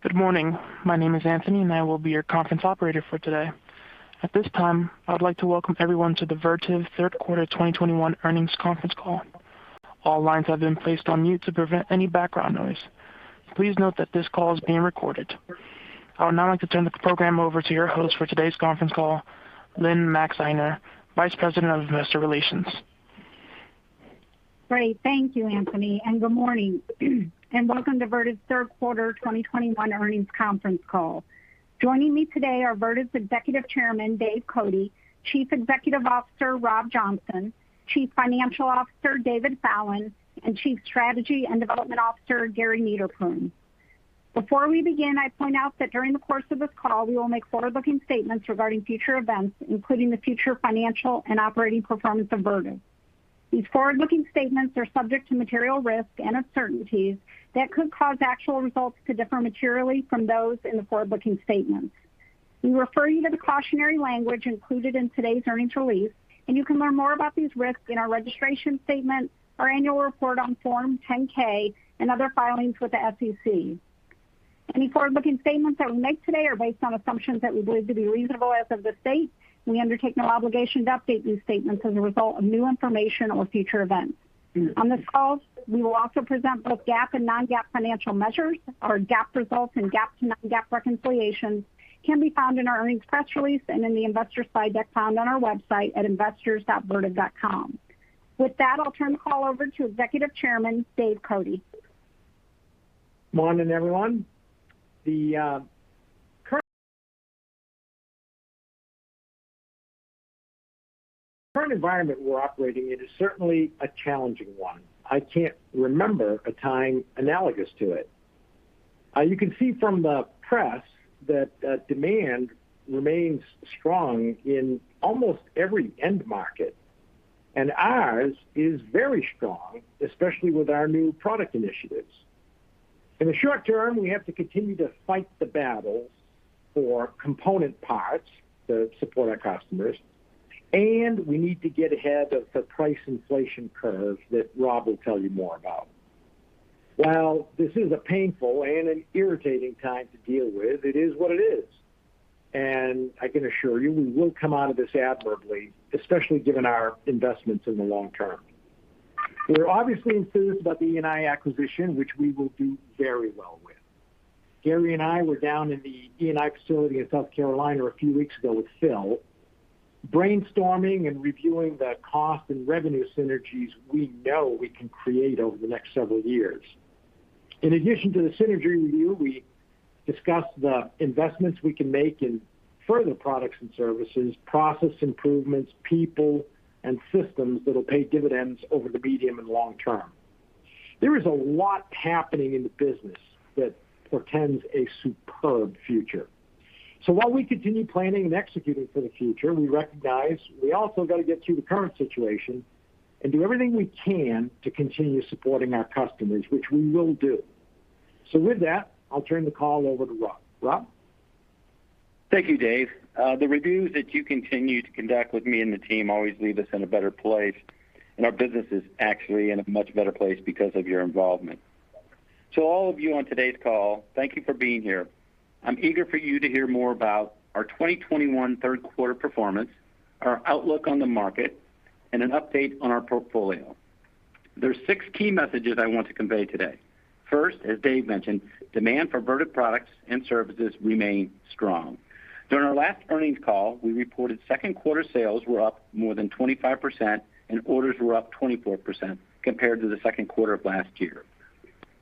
Good morning. My name is Anthony, and I will be your conference operator for today. At this time, I would like to welcome everyone to the Vertiv third quarter 2021 earnings conference call. All lines have been placed on mute to prevent any background noise. Please note that this call is being recorded. I would now like to turn the program over to your host for today's conference call, Lynne Maxeiner, Vice President of Investor Relations. Great. Thank you, Anthony, and good morning and welcome to Vertiv's third quarter 2021 earnings conference call. Joining me today are Vertiv's Executive Chairman, Dave Cote; Chief Executive Officer, Rob Johnson; Chief Financial Officer, David Fallon; and Chief Strategy and Development Officer, Gary Niederpruem. Before we begin, I point out that during the course of this call, we will make forward-looking statements regarding future events, including the future financial and operating performance of Vertiv. These forward-looking statements are subject to material risks and uncertainties that could cause actual results to differ materially from those in the forward-looking statements. We refer you to the cautionary language included in today's earnings release, and you can learn more about these risks in our registration statement, our annual report on Form 10-K and other filings with the SEC. Any forward-looking statements that we make today are based on assumptions that we believe to be reasonable as of this date. We undertake no obligation to update these statements as a result of new information or future events. On this call, we will also present both GAAP and non-GAAP financial measures. Our GAAP results and GAAP to non-GAAP reconciliations can be found in our earnings press release and in the investor slide deck found on our website at investors.vertiv.com. With that, I'll turn the call over to Executive Chairman Dave Cote. Morning, everyone. The current environment we're operating in is certainly a challenging one. I can't remember a time analogous to it. You can see from the press that demand remains strong in almost every end market, and ours is very strong, especially with our new product initiatives. In the short term, we have to continue to fight the battles for component parts to support our customers, and we need to get ahead of the price inflation curve that Rob will tell you more about. While this is a painful and an irritating time to deal with, it is what it is. I can assure you, we will come out of this admirably, especially given our investments in the long term. We're obviously enthused about the E&I acquisition, which we will do very well with. Gary and I were down in the E&I facility in South Carolina a few weeks ago with Phil, brainstorming and reviewing the cost and revenue synergies we know we can create over the next several years. In addition to the synergy review, we discussed the investments we can make in further products and services, process improvements, people, and systems that'll pay dividends over the medium and long term. There is a lot happening in the business that portends a superb future. While we continue planning and executing for the future, we recognize we also got to get through the current situation and do everything we can to continue supporting our customers, which we will do. With that, I'll turn the call over to Rob. Rob? Thank you, Dave. The reviews that you continue to conduct with me, and the team always leave us in a better place, and our business is actually in a much better place because of your involvement. All of you on today's call, thank you for being here. I'm eager for you to hear more about our 2021 third quarter performance, our outlook on the market, and an update on our portfolio. There are six key messages I want to convey today. First, as Dave mentioned, demand for Vertiv products and services remain strong. During our last earnings call, we reported second quarter sales were up more than 25% and orders were up 24% compared to the second quarter of last year.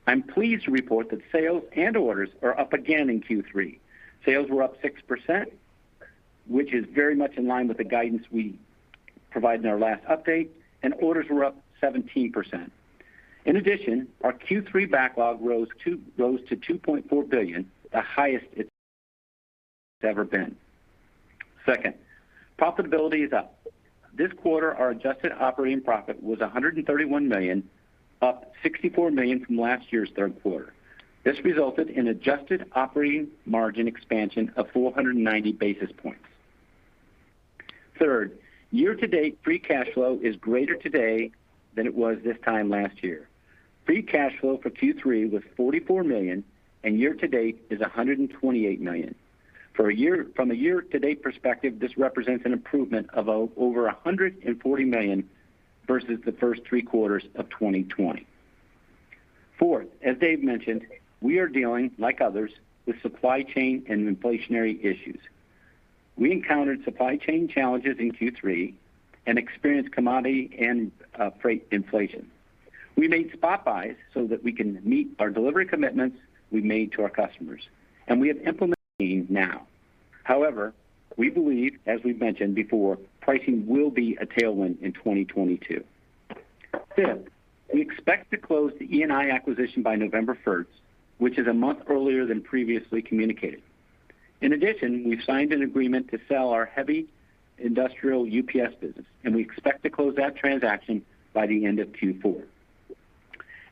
I'm pleased to report that sales and orders are up again in Q3. Sales were up 6%, which is very much in line with the guidance we provided in our last update, and orders were up 17%. In addition, our Q3 backlog rose to $2.4 billion, the highest it's ever been. Second, profitability is up. This quarter, our adjusted operating profit was $131 million, up $64 million from last year's third quarter. This resulted in adjusted operating margin expansion of 490 basis points. Third, year-to-date free cash flow is greater today than it was this time last year. Free cash flow for Q3 was $44 million, and year-to-date is $128 million. From a year-to-date perspective, this represents an improvement of over $140 million versus the first three quarters of 2020. Fourth, as Dave mentioned, we are dealing, like others, with supply chain and inflationary issues. We encountered supply chain challenges in Q3 and experienced commodity and freight inflation. We made spot buys so that we can meet our delivery commitments we made to our customers, and we have implemented now. However, we believe, as we've mentioned before, pricing will be a tailwind in 2022. Fifth, we expect to close the E&I acquisition by November first, which is a month earlier than previously communicated. In addition, we've signed an agreement to sell our heavy industrial UPS business, and we expect to close that transaction by the end of Q4.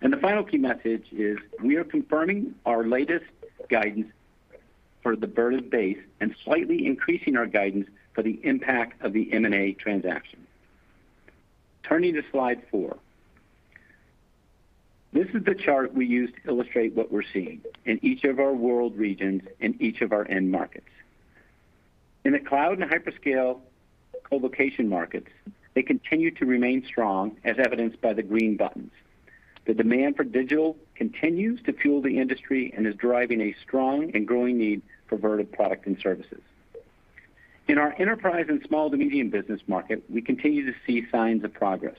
The final key message is we are confirming our latest guidance for the Vertiv base and slightly increasing our guidance for the impact of the M&A transaction. Turning to slide four. This is the chart we use to illustrate what we're seeing in each of our world regions, in each of our end markets. In the cloud and hyperscale colocation markets, they continue to remain strong, as evidenced by the green buttons. The demand for digital continues to fuel the industry and is driving a strong and growing need for Vertiv products and services. In our enterprise and small to medium business market, we continue to see signs of progress.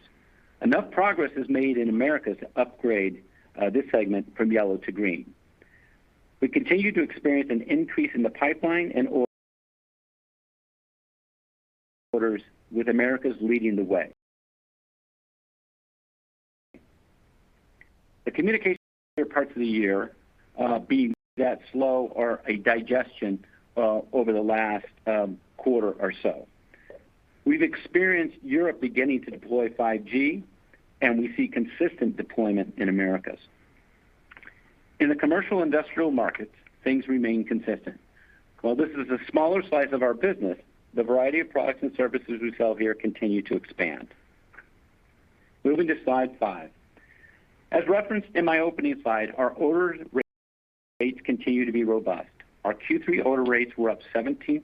Enough progress is made in Americas to upgrade this segment from yellow to green. We continue to experience an increase in the pipeline and orders with Americas leading the way. The communications part of the year being that slow or a digestion over the last quarter or so. We've experienced Europe beginning to deploy 5G, and we see consistent deployment in Americas. In the commercial industrial markets, things remain consistent. While this is a smaller slice of our business, the variety of products and services we sell here continue to expand. Moving to slide 5. As referenced in my opening slide, our order rates continue to be robust. Our Q3 order rates were up 17%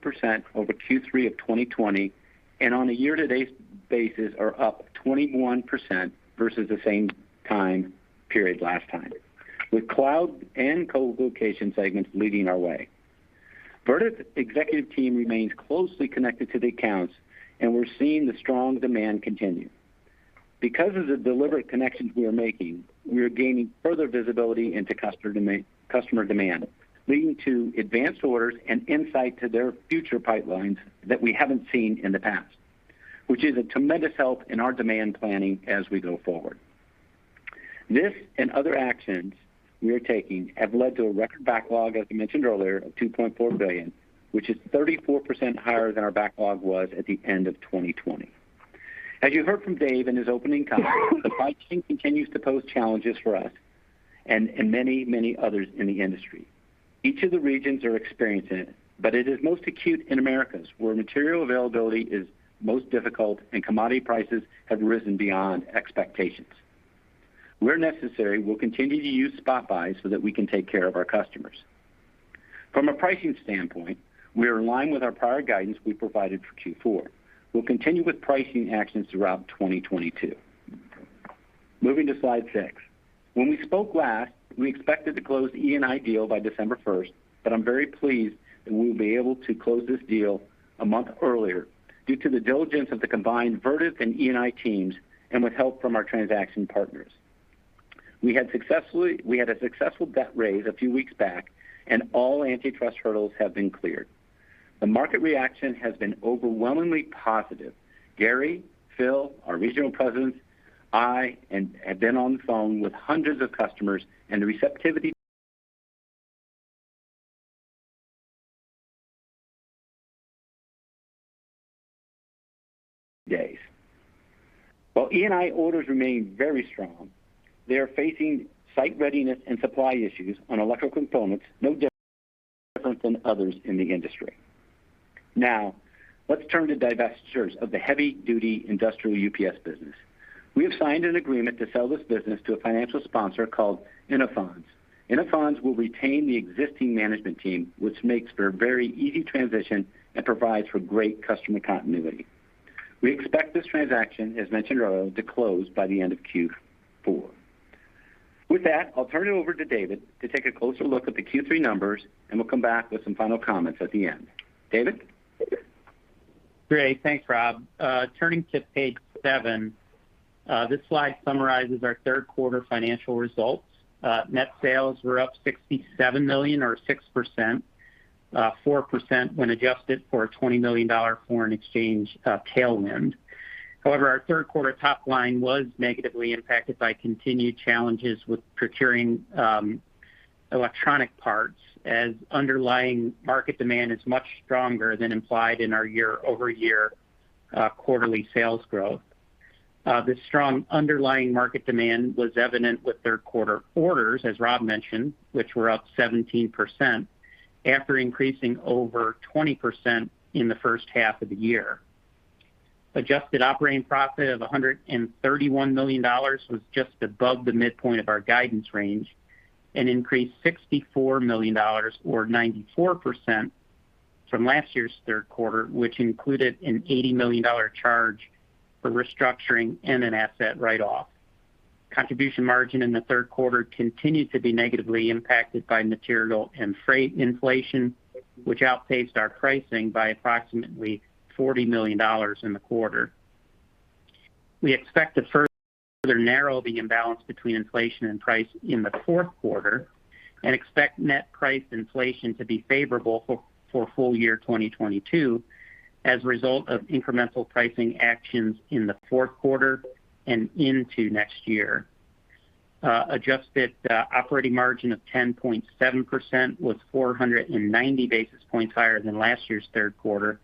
over Q3 of 2020, and on a year-to-date basis are up 21% versus the same time period last time, with cloud and colocation segments leading our way. Vertiv executive team remains closely connected to the accounts, and we're seeing the strong demand continue. Because of the deliberate connections we are making, we are gaining further visibility into customer demand, leading to advanced orders and insight to their future pipelines that we haven't seen in the past, which is a tremendous help in our demand planning as we go forward. This and other actions we are taking have led to a record backlog, as we mentioned earlier, of $2.4 billion, which is 34% higher than our backlog was at the end of 2020. As you heard from Dave in his opening comments, the supply chain continues to pose challenges for us and many others in the industry. Each of the regions are experiencing it, but it is most acute in Americas, where material availability is most difficult and commodity prices have risen beyond expectations. Where necessary, we'll continue to use spot buys so that we can take care of our customers. From a pricing standpoint, we are in line with our prior guidance we provided for Q4. We'll continue with pricing actions throughout 2022. Moving to slide six. When we spoke last, we expected to close the ENI deal by December 1st, but I'm very pleased that we will be able to close this deal a month earlier due to the diligence of the combined Vertiv and ENI teams and with help from our transaction partners. We had a successful debt raise a few weeks back, and all antitrust hurdles have been cleared. The market reaction has been overwhelmingly positive. Gary, Phil, our regional presidents, I, and have been on the phone with hundreds of customers, and the receptivity while ENI orders remain very strong. They are facing site readiness and supply issues on electrical components no different than others in the industry. Now, let's turn to divestitures of the heavy-duty industrial UPS business. We have signed an agreement to sell this business to a financial sponsor called Innofonds. Innofonds will retain the existing management team, which makes for a very easy transition and provides for great customer continuity. We expect this transaction, as mentioned earlier, to close by the end of Q4. With that, I'll turn it over to David to take a closer look at the Q3 numbers, and we'll come back with some final comments at the end. David? Great. Thanks, Rob. Turning to page seven. This slide summarizes our third quarter financial results. Net sales were up $67 million or 6%, 4% when adjusted for a $20 million foreign exchange tailwind. However, our third quarter top line was negatively impacted by continued challenges with procuring electronic parts, as underlying market demand is much stronger than implied in our year-over-year quarterly sales growth. The strong underlying market demand was evident with third quarter orders, as Rob mentioned, which were up 17% after increasing over 20% in the first half of the year. Adjusted operating profit of $131 million was just above the midpoint of our guidance range and increased $64 million or 94% from last year's third quarter, which included an $80 million charge for restructuring and an asset write-off. Contribution margin in the third quarter continued to be negatively impacted by material and freight inflation, which outpaced our pricing by approximately $40 million in the quarter. We expect to further narrow the imbalance between inflation and price in the fourth quarter and expect net price inflation to be favorable for full year 2022 as a result of incremental pricing actions in the fourth quarter and into next year. Adjusted operating margin of 10.7% was 490 basis points higher than last year's third quarter,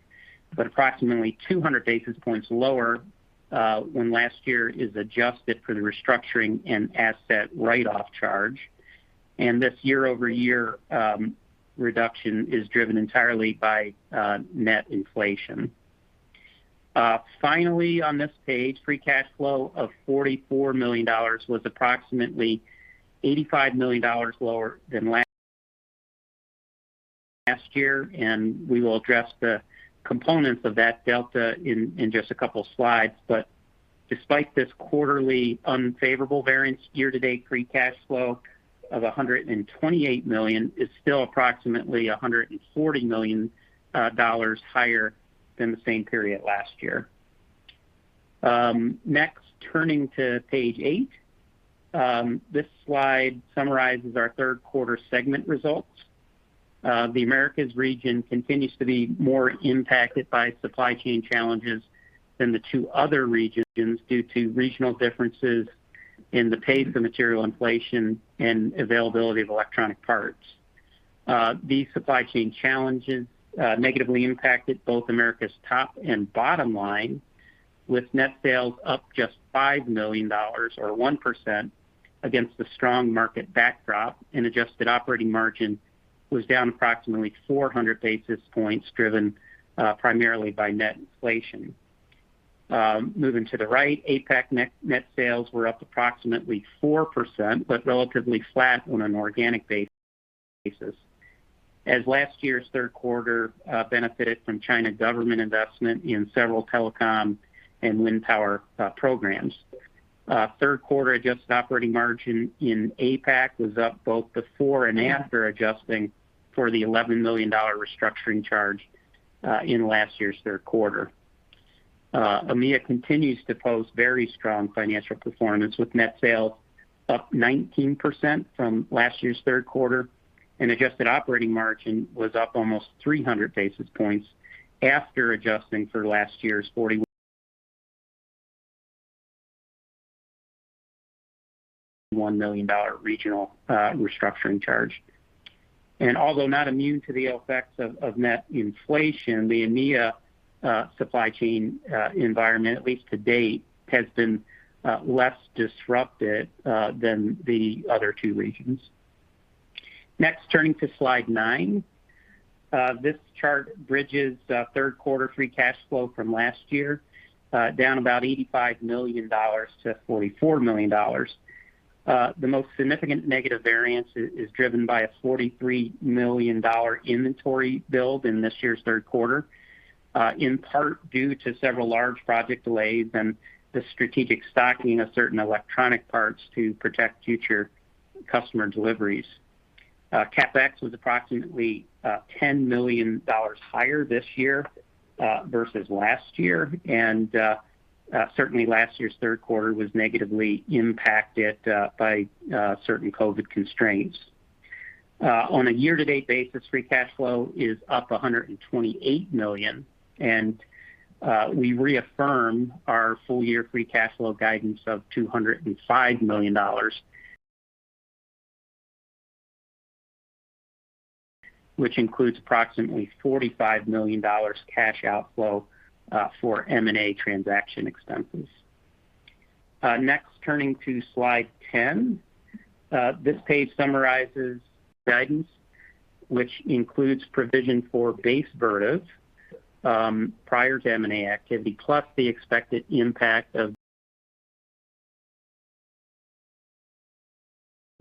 but approximately 200 basis points lower when last year is adjusted for the restructuring and asset write-off charge. This year-over-year reduction is driven entirely by net inflation. Finally, on this page, free cash flow of $44 million was approximately $85 million lower than last year, and we will address the components of that delta in just a couple slides. Despite this quarterly unfavorable variance, year-to-date free cash flow of $128 million is still approximately $140 million dollars higher than the same period last year. Next, turning to page eight. This slide summarizes our third quarter segment results. The Americas region continues to be more impacted by supply chain challenges than the two other regions due to regional differences in the pace of material inflation and availability of electronic parts. These supply chain challenges negatively impacted both Americas' top and bottom line, with net sales up just $5 million or 1% against the strong market backdrop and adjusted operating margin was down approximately 400 basis points, driven primarily by net inflation. Moving to the right, APAC net sales were up approximately 4%, but relatively flat on an organic basis. As last year's third quarter benefited from Chinese government investment in several telecom and wind power programs. Third quarter adjusted operating margin in APAC was up both before and after adjusting for the $11 million restructuring charge in last year's third quarter. EMEA continues to post very strong financial performance, with net sales up 19% from last year's third quarter, and adjusted operating margin was up almost 300 basis points after adjusting for last year's $41 million regional restructuring charge. Although not immune to the effects of net inflation, the EMEA supply chain environment, at least to date, has been less disrupted than the other two regions. Next, turning to slide nine. This chart bridges third quarter free cash flow from last year down about $85 million-$44 million. The most significant negative variance is driven by a $43 million inventory build in this year's third quarter, in part due to several large project delays and the strategic stocking of certain electronic parts to protect future customer deliveries. CapEx was approximately $10 million higher this year versus last year, and certainly last year's third quarter was negatively impacted by certain COVID constraints. On a year-to-date basis, free cash flow is up $128 million, and we reaffirm our full year free cash flow guidance of $205 million, which includes approximately $45 million cash outflow for M&A transaction expenses. Next, turning to slide 10. This page summarizes guidance which includes provision for base Vertiv prior to M&A activity, plus the expected impact of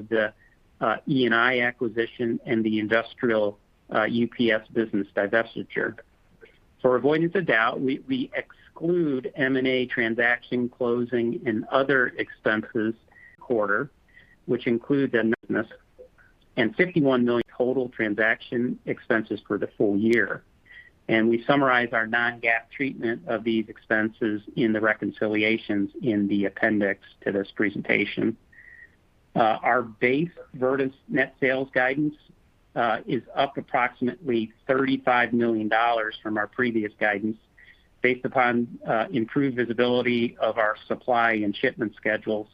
the E&I acquisition and the industrial UPS business divestiture. For avoidance of doubt, we exclude M&A transaction closing and other expenses this quarter, which include $51 million total transaction expenses for the full year. We summarize our non-GAAP treatment of these expenses in the reconciliations in the appendix to this presentation. Our base Vertiv net sales guidance is up approximately $35 million from our previous guidance based upon improved visibility of our supply and shipment schedules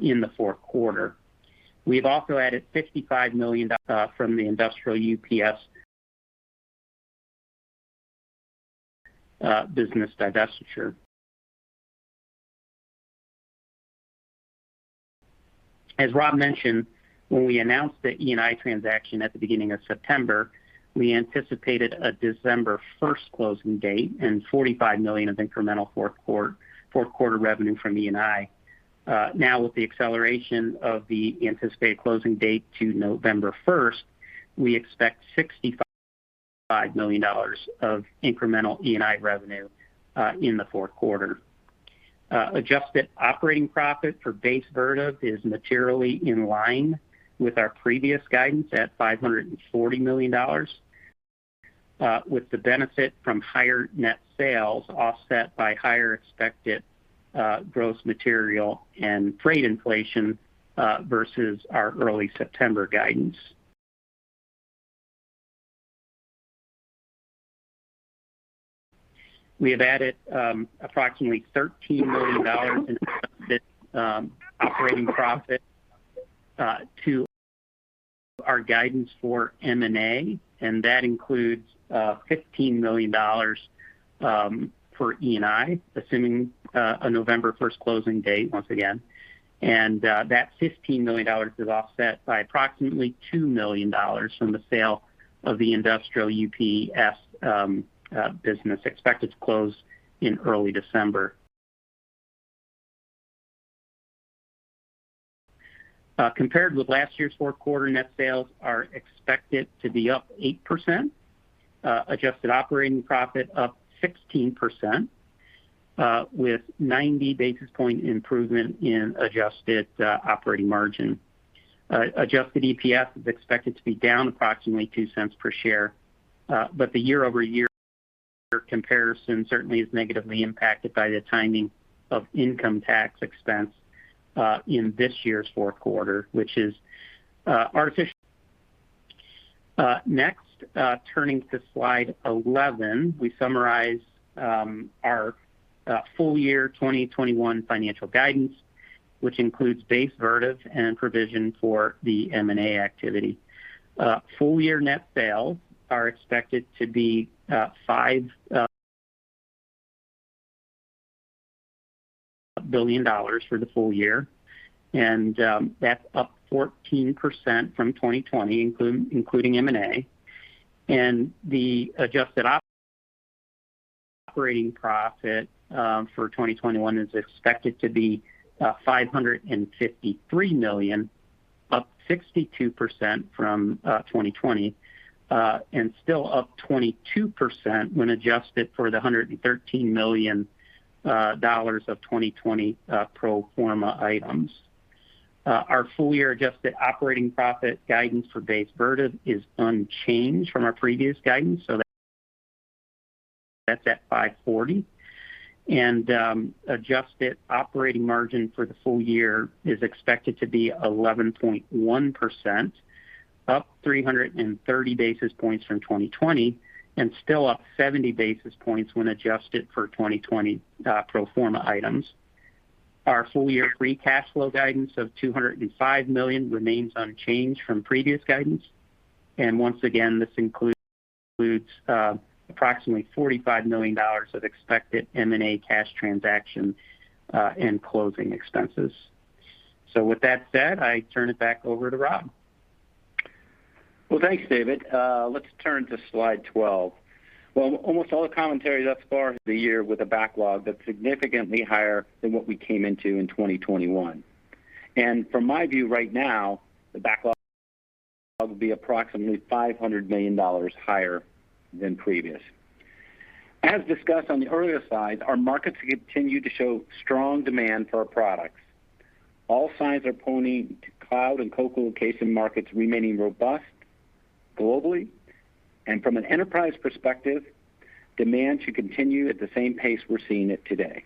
in the fourth quarter. We've also added $55 million from the industrial UPS business divestiture. As Rob mentioned, when we announced the E&I transaction at the beginning of September, we anticipated a December 1st, 2021, closing date and $45 million of incremental fourth quarter revenue from E&I. Now with the acceleration of the anticipated closing date to November 1st, 2021, we expect $65 million of incremental E&I revenue in the fourth quarter. Adjusted operating profit for base Vertiv is materially in line with our previous guidance at $540 million, with the benefit from higher net sales offset by higher expected gross material and freight inflation versus our early September guidance. We have added approximately $13 million in adjusted operating profit to our guidance for M&A, and that includes $15 million for E&I, assuming a November 1st, 2021, closing date once again. That $15 million is offset by approximately $2 million from the sale of the industrial UPS business expected to close in early December. Compared with last year's fourth quarter, net sales are expected to be up 8%. Adjusted operating profit up 16%, with 90 basis points improvement in adjusted operating margin. Adjusted EPS is expected to be down approximately $0.02 per share. The year-over-year comparison certainly is negatively impacted by the timing of income tax expense in this year's fourth quarter, which is artificial. Turning to slide 11, we summarize our full year 2021 financial guidance, which includes base Vertiv and provision for the M&A activity. Full year net sales are expected to be $5 billion for the full year, and that's up 14% from 2020, including M&A. The adjusted operating profit for 2021 is expected to be $553 million, up 62% from 2020, and still up 22% when adjusted for the $113 million of 2020 pro forma items. Our full year adjusted operating profit guidance for base Vertiv is unchanged from our previous guidance, so that's at $540 million. Adjusted operating margin for the full year is expected to be 11.1%, up 330 basis points from 2020 and still up 70 basis points when adjusted for 2020 pro forma items. Our full year free cash flow guidance of $205 million remains unchanged from previous guidance. Once again, this includes approximately $45 million of expected M&A cash transaction and closing expenses. With that said, I turn it back over to Rob. Well, thanks, David. Let's turn to slide 12. Almost all the commentary thus far this year with a backlog that's significantly higher than what we came into in 2021. From my view right now, the backlog will be approximately $500 million higher than previous. As discussed on the earlier slide, our markets continue to show strong demand for our products. All signs are pointing to cloud and co-location markets remaining robust globally. From an enterprise perspective, demand should continue at the same pace we're seeing it today.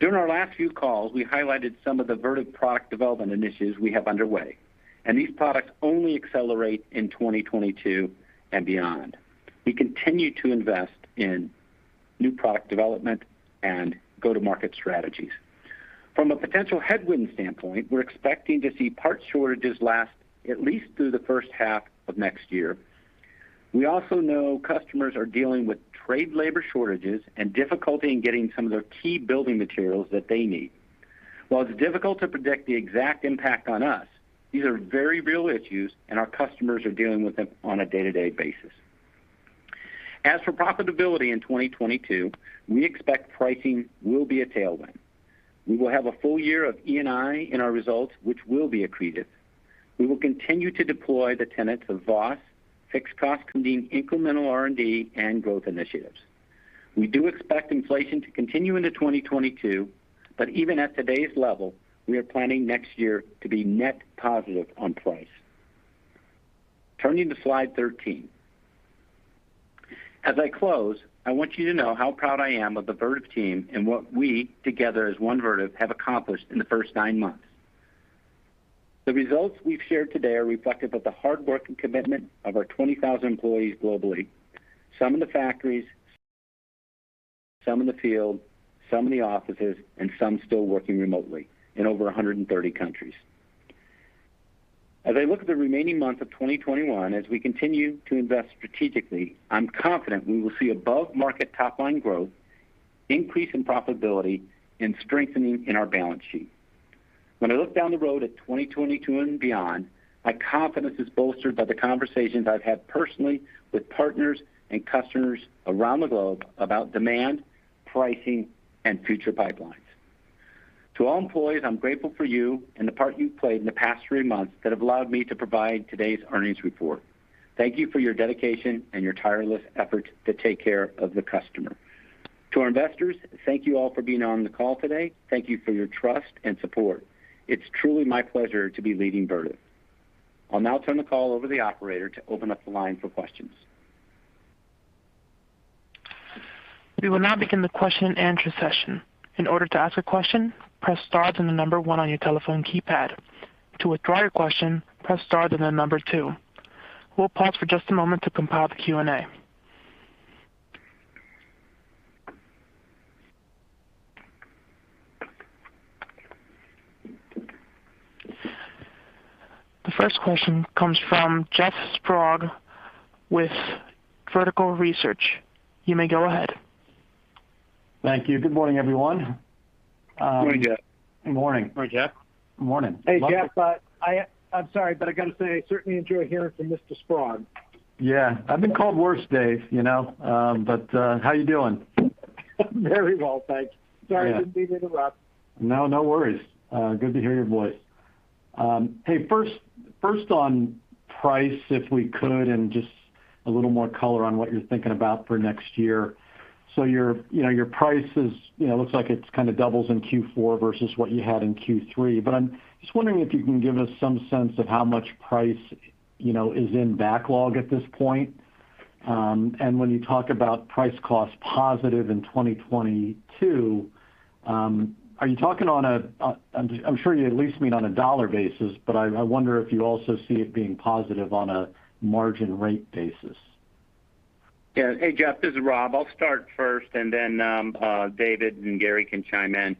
During our last few calls, we highlighted some of the Vertiv product development initiatives we have underway, and these products only accelerate in 2022 and beyond. We continue to invest in new product development and go-to-market strategies. From a potential headwind standpoint, we're expecting to see part shortages last at least through the first half of next year. We also know customers are dealing with trade labor shortages and difficulty in getting some of their key building materials that they need. While it's difficult to predict the exact impact on us, these are very real issues and our customers are dealing with them on a day-to-day basis. As for profitability in 2022, we expect pricing will be a tailwind. We will have a full year of E&I in our results, which will be accretive. We will continue to deploy the tenets of VOS, fixed cost, incremental R&D, and growth initiatives. We do expect inflation to continue into 2022, but even at today's level, we are planning next year to be net positive on price. Turning to slide 13. As I close, I want you to know how proud I am of the Vertiv team and what we together as One Vertiv have accomplished in the first nine months. The results we've shared today are reflective of the hard work and commitment of our 20,000 employees globally. Some in the factories, some in the field, some in the offices, and some still working remotely in over 130 countries. As I look at the remaining month of 2021, as we continue to invest strategically, I'm confident we will see above market top line growth, increase in profitability, and strengthening in our balance sheet. When I look down the road in 2022 and beyond, my confidence is bolstered by the conversations I've had personally with partners and customers around the globe about demand, pricing, and future pipelines. To all employees, I'm grateful for you and the part you've played in the past three months that have allowed me to provide today's earnings report. Thank you for your dedication and your tireless efforts to take care of the customer. To our investors, thank you all for being on the call today. Thank you for your trust and support. It's truly my pleasure to be leading Vertiv. I'll now turn the call over to the operator to open up the line for questions. We will now begin the question-and-answer session. In order to ask a question, press star then one on your telephone keypad. To withdraw your question, press star, then two. We'll pause for just a moment to compile the Q&A. The first question comes from Jeff Sprague with Vertical Research. You may go ahead. Thank you. Good morning, everyone. Good morning, Jeff. Good morning. Good morning, Jeff. Good morning. Hey, Jeff. I'm sorry, but I gotta say, I certainly enjoy hearing from Mr. Sprague. Yeah. I've been called worse, Dave, you know, but how you doing? Very well, thanks. Yeah. Sorry to interrupt. No, no worries. Good to hear your voice. Hey, first on price, if we could, and just a little more color on what you're thinking about for next year. You know, your price is, you know, looks like it's kind of doubles in Q4 versus what you had in Q3. I'm just wondering if you can give us some sense of how much price, you know, is in backlog at this point. And when you talk about price cost positive in 2022, I'm sure you at least mean on a dollar basis, but I wonder if you also see it being positive on a margin rate basis. Yeah. Hey, Jeff, this is Rob. I'll start first, and then David and Gary can chime in.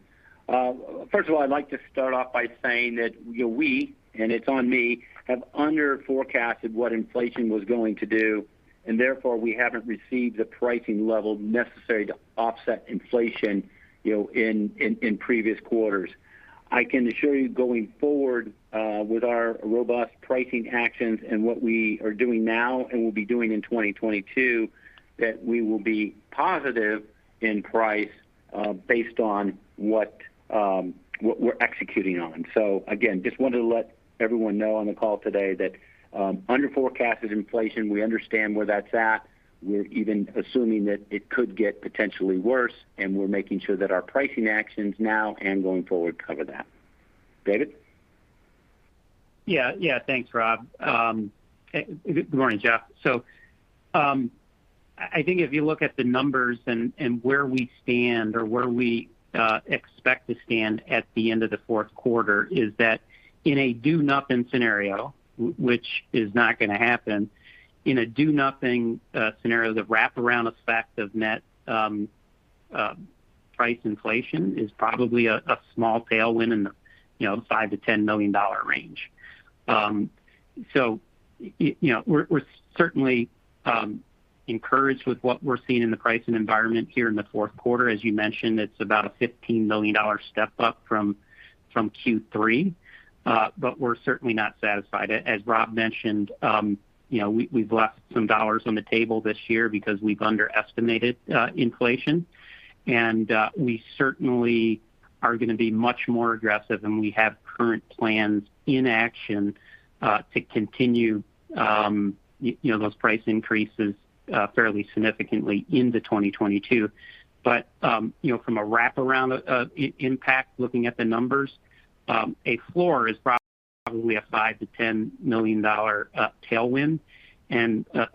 First of all, I'd like to start off by saying that, you know, we, and it's on me, have under forecasted what inflation was going to do, and therefore, we haven't received the pricing level necessary to offset inflation, you know, in previous quarters. I can assure you going forward with our robust pricing actions and what we are doing now and will be doing in 2022, that we will be positive in price based on what we're executing on. Again, just wanted to let everyone know on the call today that under forecasted inflation, we understand where that's at. We're even assuming that it could get potentially worse, and we're making sure that our pricing actions now and going forward cover that. David? Yeah. Thanks, Rob. Good morning, Jeff. I think if you look at the numbers and where we stand or where we expect to stand at the end of the fourth quarter is that in a do-nothing scenario, which is not gonna happen. In a do-nothing scenario, the wraparound effect of net price inflation is probably a small tailwind in the you know $5 million-$10 million range. You know, we're certainly encouraged with what we're seeing in the pricing environment here in the fourth quarter. As you mentioned, it's about a $15 million step-up from Q3, but we're certainly not satisfied. As Rob mentioned, you know, we've left some dollars on the table this year because we've underestimated inflation. We certainly are gonna be much more aggressive, and we have current plans in action to continue, you know, those price increases fairly significantly into 2022. You know, from a wraparound impact, looking at the numbers, a floor is probably a $5 million-$10 million tailwind.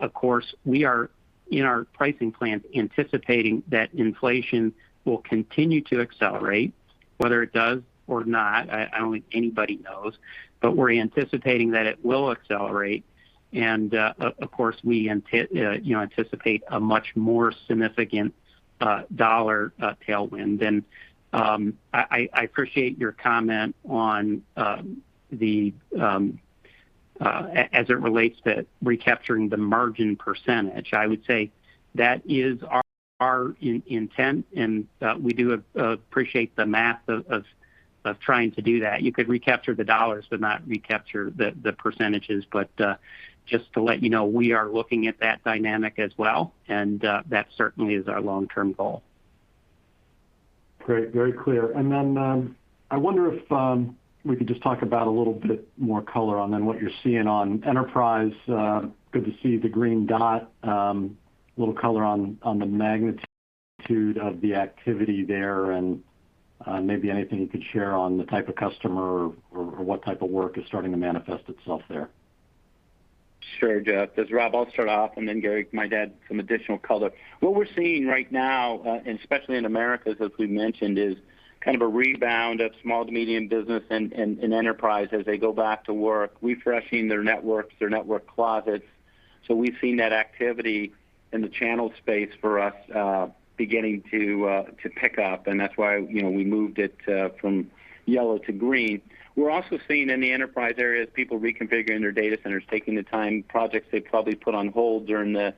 Of course, we are in our pricing plans anticipating that inflation will continue to accelerate. Whether it does or not, I don't think anybody knows, but we're anticipating that it will accelerate. Of course, we anticipate a much more significant dollar tailwind. I appreciate your comment on as it relates to recapturing the margin percentage. I would say that is our intent, and we do appreciate the math of trying to do that. You could recapture the dollars but not recapture the percentages. Just to let you know, we are looking at that dynamic as well, and that certainly is our long-term goal. Great. Very clear. I wonder if we could just talk about a little bit more color on, then what you're seeing on enterprise. Good to see the green dot, a little color on the magnitude of the activity there, and maybe anything you could share on the type of customer or what type of work is starting to manifest itself there. Sure, Jeff. This is Rob. I'll start off, and then Gary might add some additional color. What we're seeing right now, and especially in Americas, as we mentioned, is kind of a rebound of small to medium business and enterprise as they go back to work, refreshing their networks, their network closets. So, we've seen that activity in the channel space for us, beginning to pick up, and that's why, you know, we moved it from yellow to green. We're also seeing in the enterprise areas, people reconfiguring their data centers, taking the time, projects they probably put on hold during the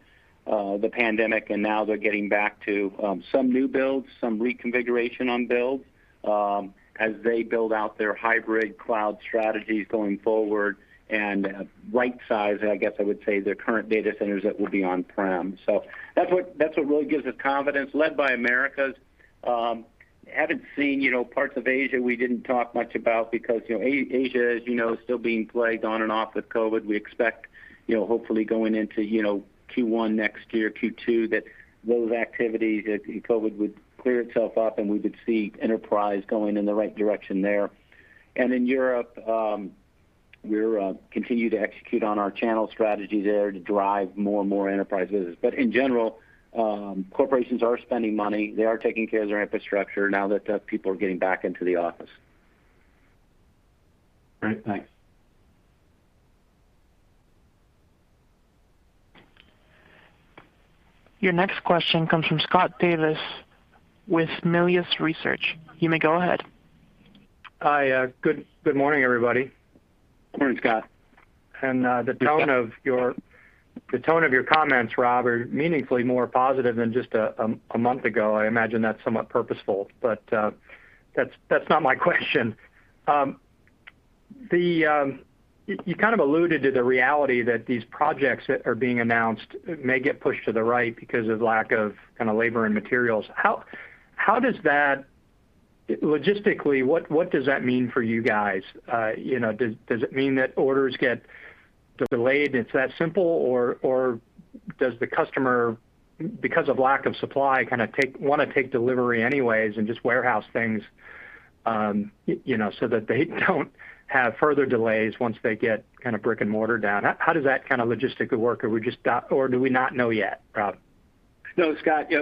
pandemic, and now they're getting back to some new builds, some reconfiguration on builds, as they build out their hybrid cloud strategies going forward and right-size, I guess I would say, their current data centers that will be on-prem. That's what really gives us confidence, led by Americas. We haven't seen, you know, parts of Asia we didn't talk much about because, you know, Asia, as you know, is still being plagued on and off with COVID. We expect, you know, hopefully going into, you know, Q1 next year, Q2, that those activities that COVID would clear itself up, and we would see enterprise going in the right direction there. In Europe, we're continuing to execute on our channel strategy there to drive more and more enterprise business. In general, corporations are spending money. They are taking care of their infrastructure now that people are getting back into the office. Great. Thanks. Your next question comes from Scott Davis with Melius Research. You may go ahead. Hi. Good morning, everybody. Morning, Scott. The tone of your comments, Rob, are meaningfully more positive than just a month ago. I imagine that's somewhat purposeful. That's not my question. Your kind of alluded to the reality that these projects that are being announced may get pushed to the right because of lack of kind of labor and materials. How does that logistically work? What does that mean for you guys? You know, does it mean that orders get delayed? It's that simple? Or does the customer, because of lack of supply, wanna take delivery anyways and just warehouse things, you know, so that they don't have further delays once they get kind of brick and mortar down? How does that kind of logistically work? Or do we not know yet, Rob? No, Scott. Yeah,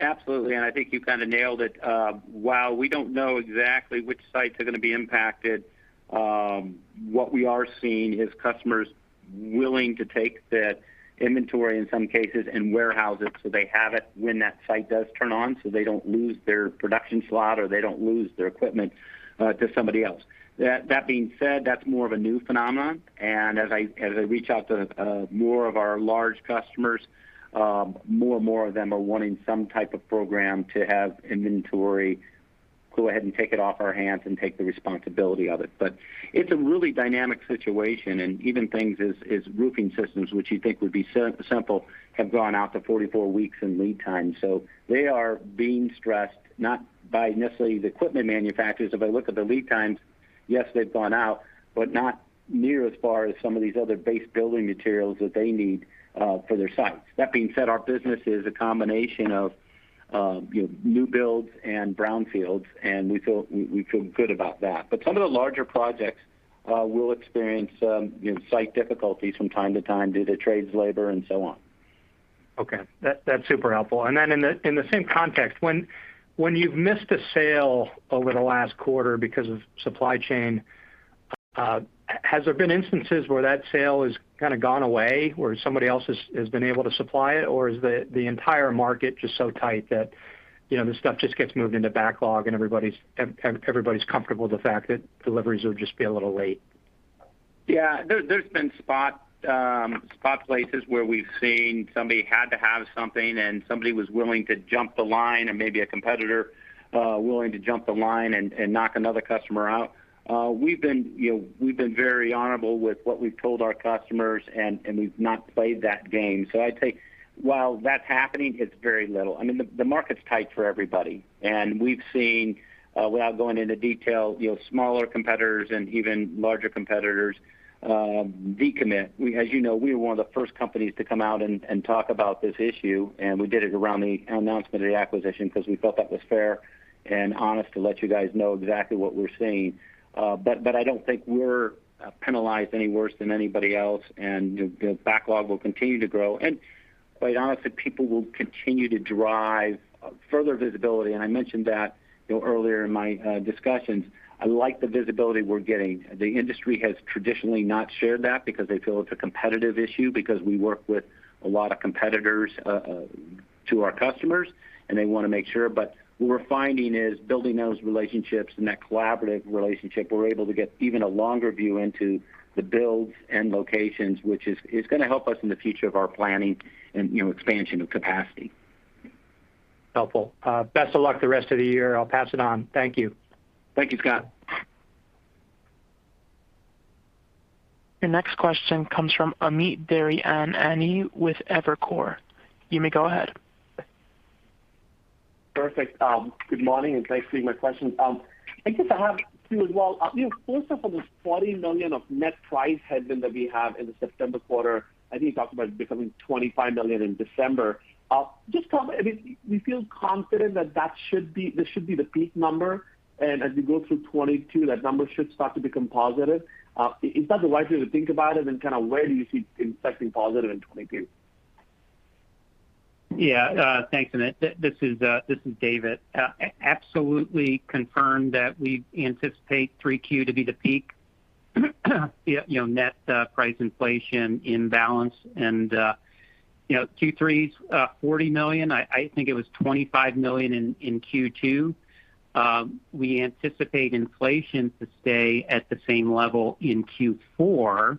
absolutely, and I think you kind of nailed it. While we don't know exactly which sites are gonna be impacted, what we are seeing is customers willing to take that inventory in some cases and warehouse it, so they have it when that site does turn on, so they don't lose their production slot, or they don't lose their equipment to somebody else. That being said, that's more of a new phenomenon. As I reach out to more of our large customers, more and more of them are wanting some type of program to have inventory, go ahead and take it off our hands and take the responsibility of it. It's a really dynamic situation. Even things as roofing systems, which you think would be simple, have gone out to 44 weeks in lead time. They are being stressed not by necessarily the equipment manufacturers. If I look at the lead times, yes, they've gone out, but not near as far as some of these other base building materials that they need for their sites. That being said, our business is a combination of you know, new builds and brownfields, and we feel good about that. Some of the larger projects will experience you know, site difficulties from time to time due to trades labor and so on. Okay. That's super helpful. Then in the same context, when you've missed a sale over the last quarter because of supply chain, has there been instances where that sale has kind of gone away, where somebody else has been able to supply it? Or is the entire market just so tight that, you know, the stuff just gets moved into backlog and everybody's comfortable with the fact that deliveries will just be a little late? There's been spot places where we've seen somebody had to have something and somebody was willing to jump the line and maybe a competitor willing to jump the line and knock another customer out. We've been, you know, very honorable with what we've told our customers, and we've not played that game. I'd say while that's happening, it's very little. I mean, the market's tight for everybody. We've seen, without going into detail, you know, smaller competitors and even larger competitors decommit. As you know, we were one of the first companies to come out and talk about this issue, and we did it around the announcement of the acquisition cause we felt that was fair and honest to let you guys know exactly what we're seeing. I don't think we're penalized any worse than anybody else. The backlog will continue to grow. Quite honestly, people will continue to drive further visibility, and I mentioned that, you know, earlier in my discussions. I like the visibility we're getting. The industry has traditionally not shared that because they feel it's a competitive issue because we work with a lot of competitors to our customers, and they wanna make sure. What we're finding is building those relationships and that collaborative relationship, we're able to get even a longer view into the builds and locations, which is gonna help us in the future of our planning and, you know, expansion of capacity. Helpful. Best of luck the rest of the year. I'll pass it on. Thank you. Thank you, Scott. Your next question comes from Amit Daryanani with Evercore. You may go ahead. Perfect. Good morning, and thanks for taking my questions. I guess I have two as well. You know, first off, on this $40 million of net price headwind that we have in the September quarter, I think you talked about it becoming $25 million in December. I mean, do you feel confident that this should be the peak number, and as we go through 2022, that number should start to become positive? Is that the right way to think about it? Kinda where do you see it impacting positive in 2022? Yeah. Thanks, Amit. This is David. Absolutely confirm that we anticipate Q3 to be the peak, you know, net price inflation imbalance. You know, Q3's $40 million. I think it was $25 million in Q2. We anticipate inflation to stay at the same level in Q4,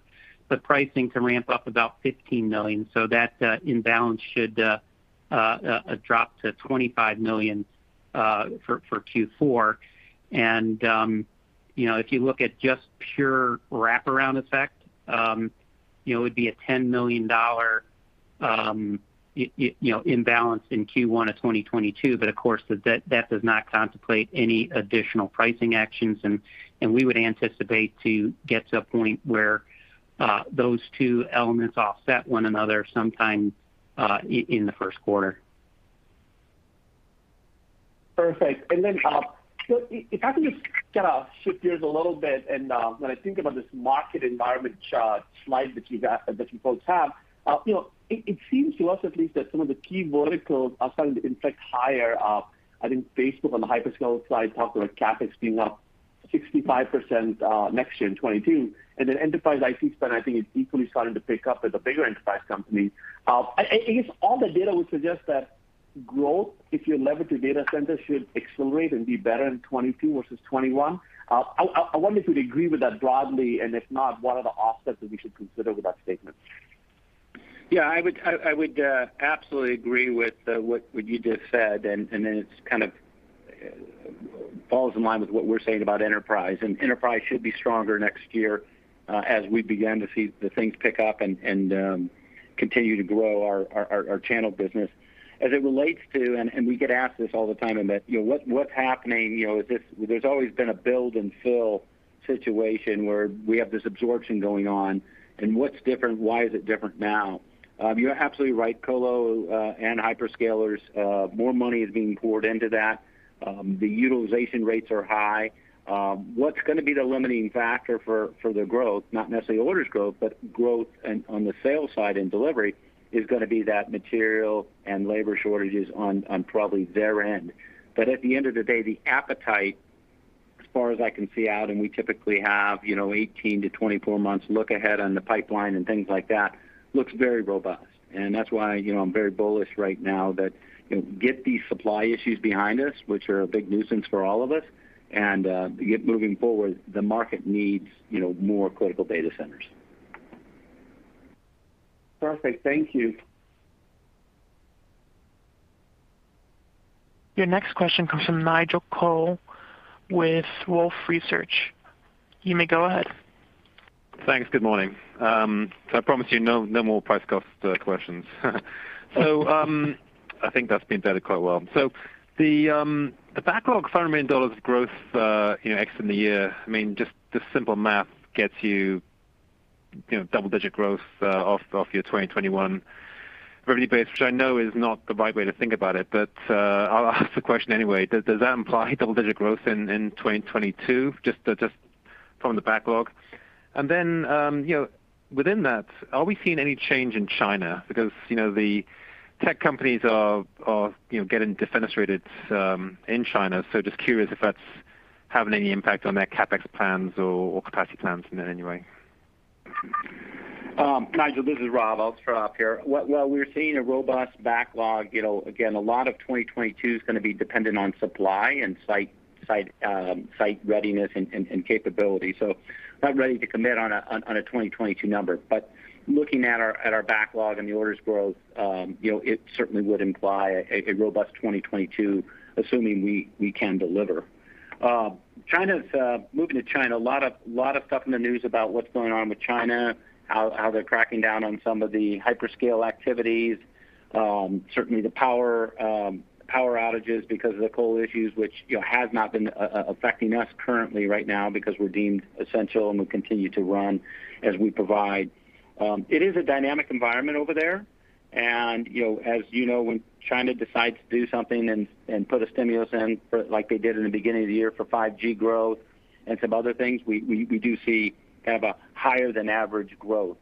but pricing to ramp up about $15 million so that imbalance should drop to $25 million for Q4. You know, if you look at just pure wraparound effect, you know, it would be a $10 million imbalance in Q1 of 2022. But of course, that does not contemplate any additional pricing actions. We would anticipate to get to a point where those two elements offset one another sometime in the first quarter. Perfect. If I can just kind of shift gears a little bit and, when I think about this market environment, slide that you both have, you know, it seems to us at least that some of the key verticals are starting to inflect higher. I think Facebook on the hyperscale side talked about CapEx being up. 65% next year in 2022. Then enterprise IT spend, I think is equally starting to pick up as a bigger enterprise company. I guess all the data would suggest that growth, if you leverage to data centers, should accelerate and be better in 2022 versus 2021. I wonder if you'd agree with that broadly, and if not, what are the offsets that we should consider with that statement? Yeah, I would absolutely agree with what you just said, and it kind of falls in line with what we're saying about enterprise. Enterprise should be stronger next year, as we begin to see the things pick up and continue to grow our channel business. As it relates to, we get asked this all the time, Amit, you know, what's happening? You know, is this? There's always been a build and fill situation where we have this absorption going on and what's different, why is it different now? You're absolutely right. Colo and hyperscalers, more money is being poured into that. The utilization rates are high. What's gonna be the limiting factor for the growth, not necessarily orders growth, but growth on the sales side and delivery? It's gonna be that material and labor shortages on probably their end. At the end of the day, the appetite, as far as I can see out, and we typically have, you know, 18-24 months look ahead on the pipeline and things like that, looks very robust. That's why, you know, I'm very bullish right now that, you know, get these supply issues behind us, which are a big nuisance for all of us, and get moving forward. The market needs, you know, more critical data centers. Perfect. Thank you. Your next question comes from Nigel Coe with Wolfe Research. You may go ahead. Thanks. Good morning. I promise you no more price-cost questions. I think that's been dealt with quite well. The backlog, $500 million of growth exiting the year, you know, I mean, just the simple math gets you know, double-digit growth off your 2021 revenue base, which I know is not the right way to think about it, but I'll ask the question anyway. Does that imply double-digit growth in 2022, just from the backlog? And then, you know, within that, are we seeing any change in China? Because, you know, the tech companies are, you know, getting defenestrated in China, so just curious if that's having any impact on their CapEx plans or capacity plans in any way. Nigel, this is Rob. I'll start off here. While we're seeing a robust backlog, you know, again, a lot of 2022 is gonna be dependent on supply and site readiness and capability. So not ready to commit on a 2022 number. Looking at our backlog and the orders growth, you know, it certainly would imply a robust 2022, assuming we can deliver. China's moving to China, a lot of stuff in the news about what's going on with China, how they're cracking down on some of the hyperscale activities. Certainly, the power outages because of the coal issues, which, you know, has not been affecting us currently right now because we're deemed essential and we continue to run as we provide. It is a dynamic environment over there. You know, as you know, when China decides to do something and put a stimulus in for like they did in the beginning of the year for 5G growth and some other things, we have a higher-than-average growth.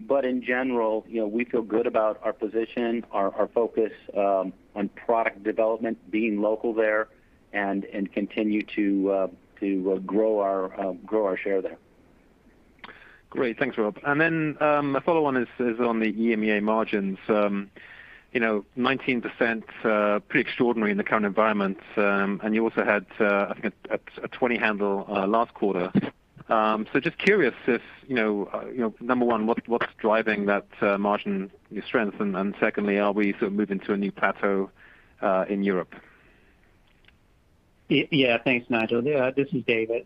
But in general, you know, we feel good about our position, our focus on product development, being local there and continue to grow our share there. Great. Thanks, Rob. My follow-on is on the EMEA margins. You know, 19%, pretty extraordinary in the current environment. You also had, I think, a 20-handle last quarter. Just curious if, you know, number one, what's driving that margin strength? And secondly, are we sort of moving to a new plateau in Europe? Yeah. Thanks, Nigel. Yeah, this is David.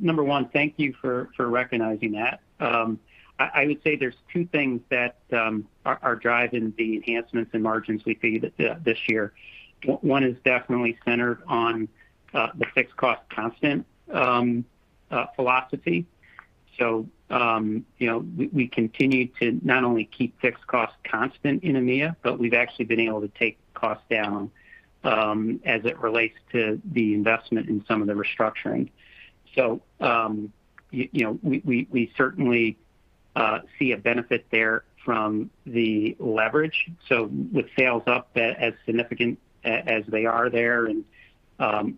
Number one, thank you for recognizing that. I would say there's two things that are driving the enhancements in margins we see this year. One is definitely centered on the fixed cost constant philosophy. You know, we continue to not only keep fixed costs constant in EMEA, but we've actually been able to take costs down as it relates to the investment in some of the restructuring. You know, we certainly see a benefit there from the leverage. With sales up as significant as they are there and,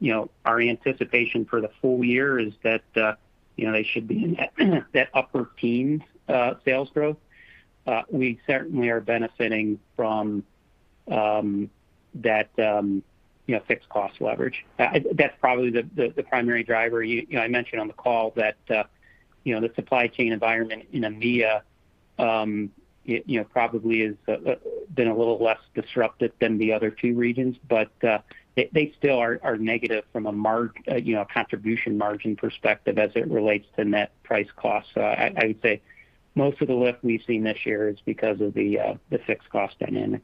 you know, our anticipation for the full year is that, you know, they should be in that upper teen's sales growth. We certainly are benefiting from that you know fixed cost leverage. That's probably the primary driver. You know I mentioned on the call that you know the supply chain environment in EMEA it you know probably has been a little less disruptive than the other two regions, but they still are negative from a contribution margin perspective as it relates to net price cost. I would say most of the lift we've seen this year is because of the fixed cost dynamic.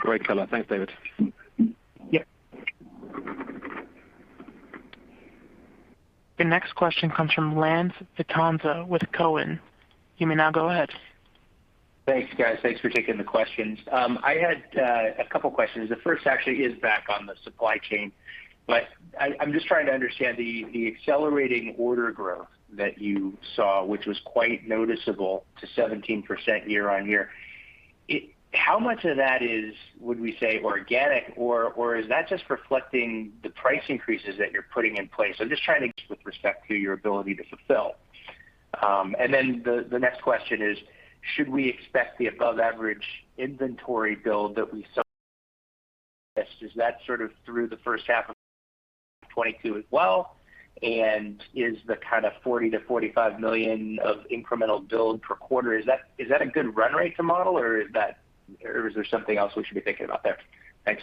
Great color. Thanks, David. Yeah. The next question comes from Lance Vitanza with Cowen. You may now go ahead. Thanks, guys. Thanks for taking the questions. I had a couple questions. The first actually is back on the supply chain, but I'm just trying to understand the accelerating order growth that you saw, which was quite noticeable to 17% year-over-year. How much of that would we say is organic or is that just reflecting the price increases that you're putting in place? I'm just trying to get with respect to your ability to fulfill. The next question is, should we expect the above average inventory build that we saw? Is that sort of through the first half of 2022 as well? Is the kind of $40 million-$45 million of incremental build per quarter a good run rate to model, or is there something else we should be thinking about there? Thanks.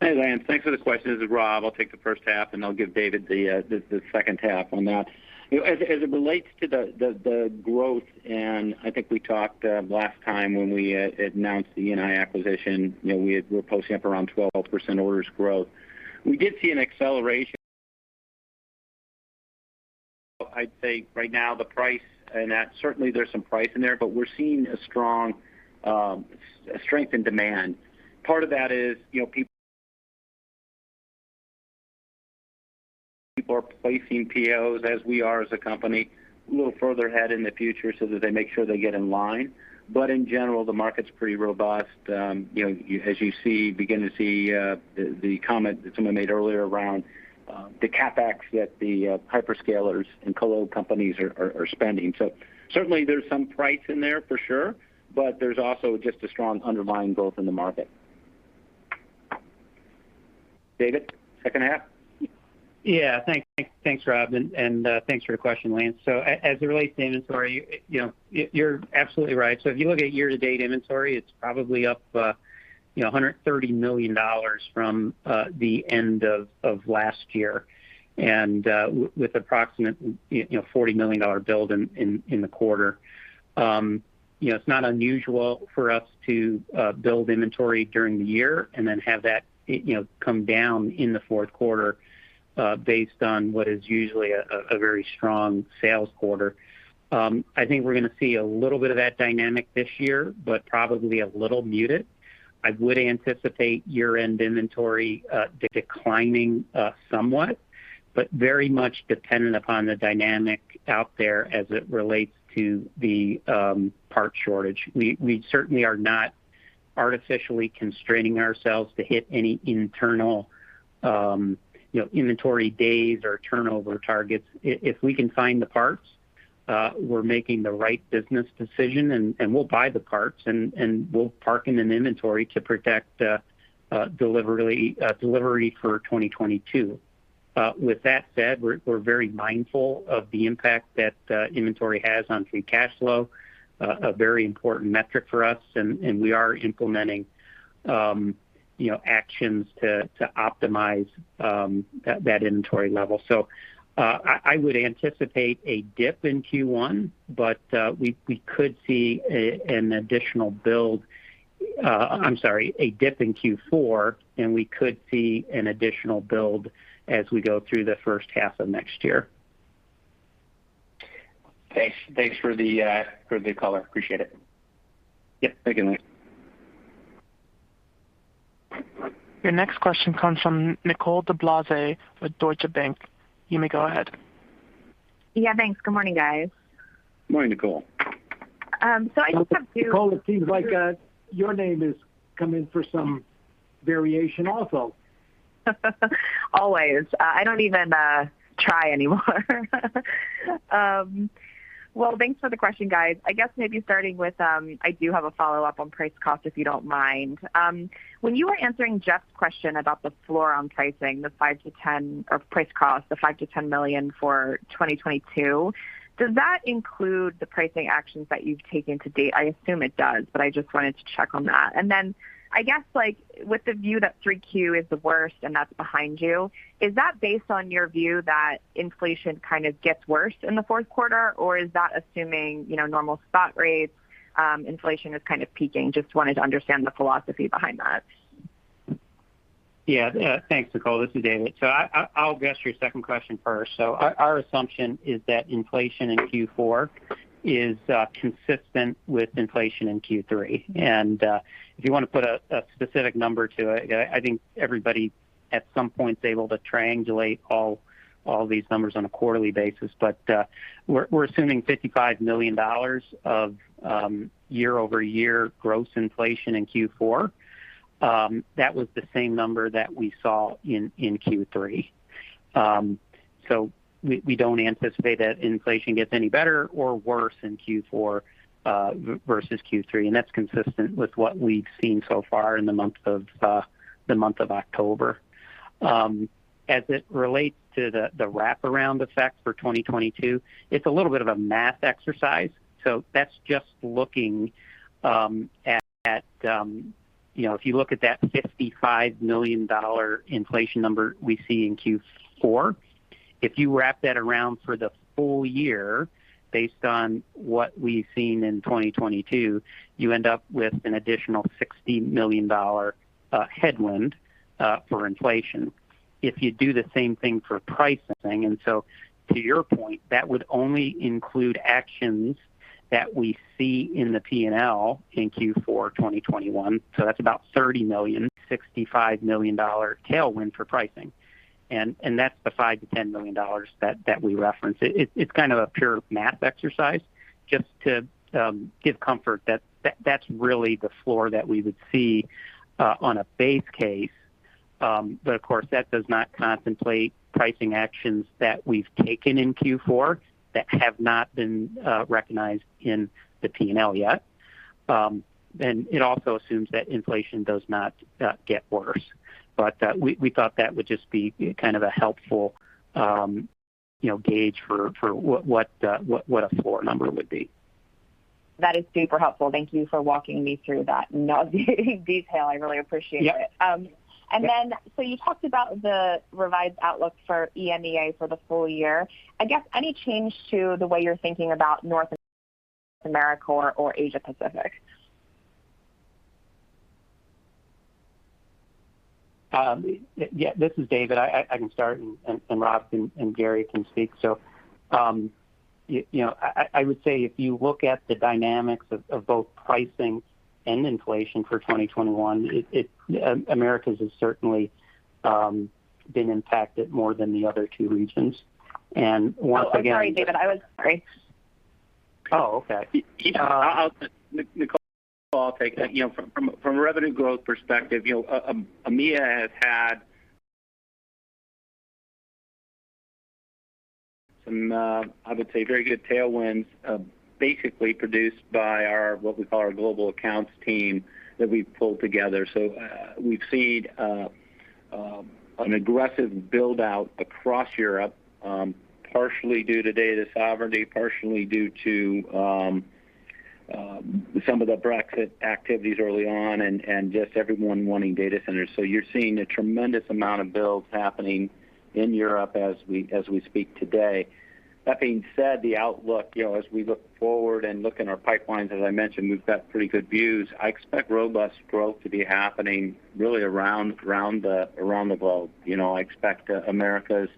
Hey, Lance. Thanks for the question. This is Rob. I'll take the first half, and I'll give David the second half on that. You know, as it relates to the growth, and I think we talked last time when we announced the E&I acquisition, you know, we're posting up around 12% orders growth. We did see an acceleration, I'd say, right now in price and that certainly there's some price in there, but we're seeing a strong strength in demand. Part of that is, you know, people are placing POs as we are a company a little further ahead in the future so that they make sure they get in line. But in general, the market's pretty robust. You know, as you begin to see, the comment that someone made earlier around the CapEx that the hyperscalers and colo companies are spending. Certainly, there's some price in there for sure, but there's also just a strong underlying growth in the market. David, second half. Thanks, Rob, and thanks for your question, Lance. As it relates to inventory, you're absolutely right. If you look at year-to-date inventory, it's probably up $130 million from the end of last year, and with approximately $40 million build in the quarter. It's not unusual for us to build inventory during the year and then have it come down in the fourth quarter, based on what is usually a very strong sales quarter. I think we're gonna see a little bit of that dynamic this year, but probably a little muted. I would anticipate year-end inventory declining somewhat, but very much dependent upon the dynamic out there as it relates to the part shortage. We certainly are not artificially constraining ourselves to hit any internal you know inventory days or turnover targets. If we can find the parts, we're making the right business decision and we'll buy the parts and we'll park in an inventory to protect delivery for 2022. With that said, we're very mindful of the impact that inventory has on free cash flow, a very important metric for us, and we are implementing you know actions to optimize that inventory level. I would anticipate a dip in Q1, but we could see an additional build. I'm sorry, a dip in Q4, and we could see an additional build as we go through the first half of next year. Thanks. Thanks for the color. Appreciate it. Yeah. Thank you, Lance. Your next question comes from Nicole DeBlase with Deutsche Bank. You may go ahead. Yeah, thanks. Good morning, guys. Morning, Nicole. I just have two- Nicole, it seems like your name is coming in for some variation also. Always. I don't even try anymore. Well, thanks for the question, guys. I guess maybe starting with, I do have a follow-up on price/cost, if you don't mind. When you were answering Jeff's question about the floor on pricing, the 5-10 or price/cost, the $5 million-$10 million for 2022, does that include the pricing actions that you've taken to date? I assume it does, but I just wanted to check on that. I guess, like with the view that 3Q is the worst and that's behind you, are that based on your view that inflation kind of gets worse in the fourth quarter, or is that assuming, you know, normal spot rates, inflation is kind of peaking? Just wanted to understand the philosophy behind that. Yeah. Yeah. Thanks, Nicole. This is David. I'll address your second question first. Our assumption is that inflation in Q4 is consistent with inflation in Q3. If you wanna put a specific number to it, I think everybody at some point is able to triangulate all these numbers on a quarterly basis. We're assuming $55 million of year-over-year gross inflation in Q4. That was the same number that we saw in Q3. We don't anticipate that inflation gets any better or worse in Q4 versus Q3, and that's consistent with what we've seen so far in the month of October. As it relates to the wraparound effect for 2022, it's a little bit of a math exercise, so that's just looking at you know, if you look at that $55 million inflation number we see in Q4, if you wrap that around for the full year based on what we've seen in 2022, you end up with an additional $60 million headwind for inflation. If you do the same thing for pricing, and so to your point, that would only include actions that we see in the P&L in Q4 2021, so that's about $30 million-$65 million tailwind for pricing. That's the $5 million-$10 million that we reference. It's kind of a pure math exercise just to give comfort that that's really the floor that we would see on a base case. Of course, that does not contemplate pricing actions that we've taken in Q4 that have not been recognized in the P&L yet. It also assumes that inflation does not get worse. We thought that would just be kind of a helpful you know gauge for what a floor number would be. That is super helpful. Thank you for walking me through that in all the detail. I really appreciate it. Yep. You talked about the revised outlook for EMEA for the full year. I guess any change to the way you're thinking about North America or Asia Pacific? Yeah, this is David. I can start, and Rob and Gary can speak. You know, I would say if you looked at the dynamics of both pricing and inflation for 2021, Americas has certainly been impacted more than the other two regions. Once again- Oh, I'm sorry, David. Sorry. Oh, okay. Nicole, I'll take that. You know, from a revenue growth perspective, you know, EMEA has had some I would say, very good tailwinds, basically produced by our, what we call our global accounts team that we've pulled together. We've seen an aggressive build-out across Europe, partially due to data sovereignty, partially due to some of the Brexit activities early on and just everyone wanting data centers. You're seeing a tremendous amount of builds happening in Europe as we speak today. That being said, the outlook, you know, as we look forward and look in our pipelines, as I mentioned, we've got pretty good views. I expect robust growth to be happening really around the globe. You know, I expect Americas.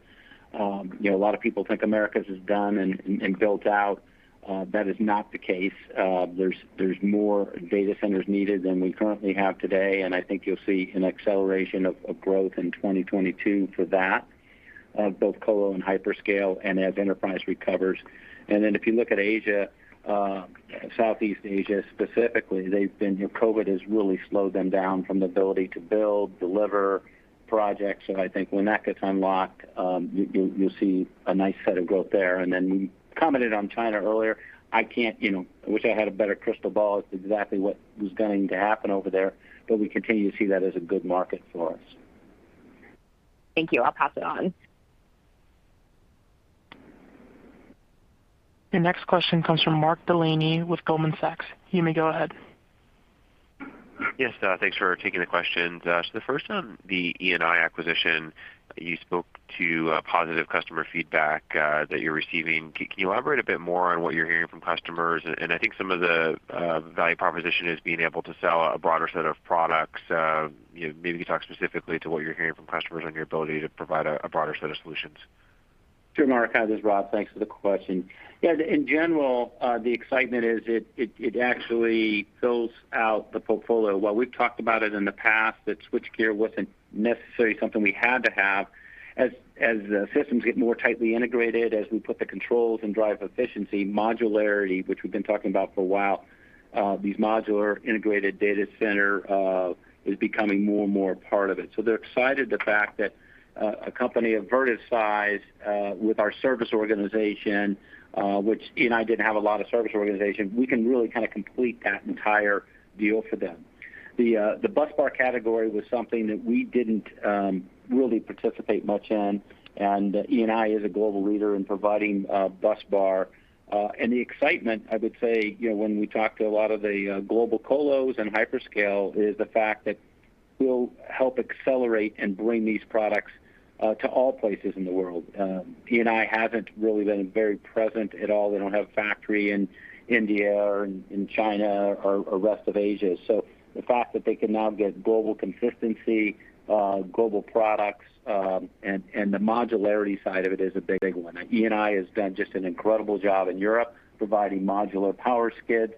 You know, a lot of people think Americas is done and built out. That is not the case. There's more data centers needed than we currently have today, and I think you'll see an acceleration of growth in 2022 for that, both colo and hyperscale and as enterprise recovers. Then if you look at Asia, Southeast Asia specifically. You know, COVID has really slowed them down from the ability to build, deliver projects. So, I think when that gets unlocked, you'll see a nice set of growth there. Then you commented on China earlier. I can't, you know. I wish I had a better crystal ball as to exactly what was going to happen over there, but we continue to see that as a good market for us. Thank you. I'll pass it on. Your next question comes from Mark Delaney with Goldman Sachs. You may go ahead. Yes. Thanks for taking the questions. The first on the E&I acquisition, you spoke to positive customer feedback that you're receiving. Can you elaborate a bit more on what you're hearing from customers? I think some of the value proposition is being able to sell a broader set of products. You know, maybe you can talk specifically to what you're hearing from customers on your ability to provide a broader set of solutions. Sure, Mark. This is Rob. Thanks for the question. Yeah, in general, the excitement is it actually fills out the portfolio. While we've talked about it in the past that switchgear wasn't necessarily something we had to have, as systems get more tightly integrated, as we put the controls and drive efficiency, modularity, which we've been talking about for a while, this modular integrated data center is becoming more and more a part of it. So, they're excited the fact that a company of Vertiv's size, with our service organization, which E&I didn't have a lot of service organization, we can really kind of complete that entire deal for them. The busbar category was something that we didn't really participate much in, and E&I is a global leader in providing busbar. The excitement, I would say, you know, when we talk to a lot of the global colos and hyperscale, is the fact that we'll help accelerate and bring these products to all places in the world. E&I hasn't really been very present at all. They don't have a factory in India or in China or rest of Asia. The fact that they can now get global consistency, global products, and the modularity side of it is a big one. E&I has done just an incredible job in Europe providing modular power skid.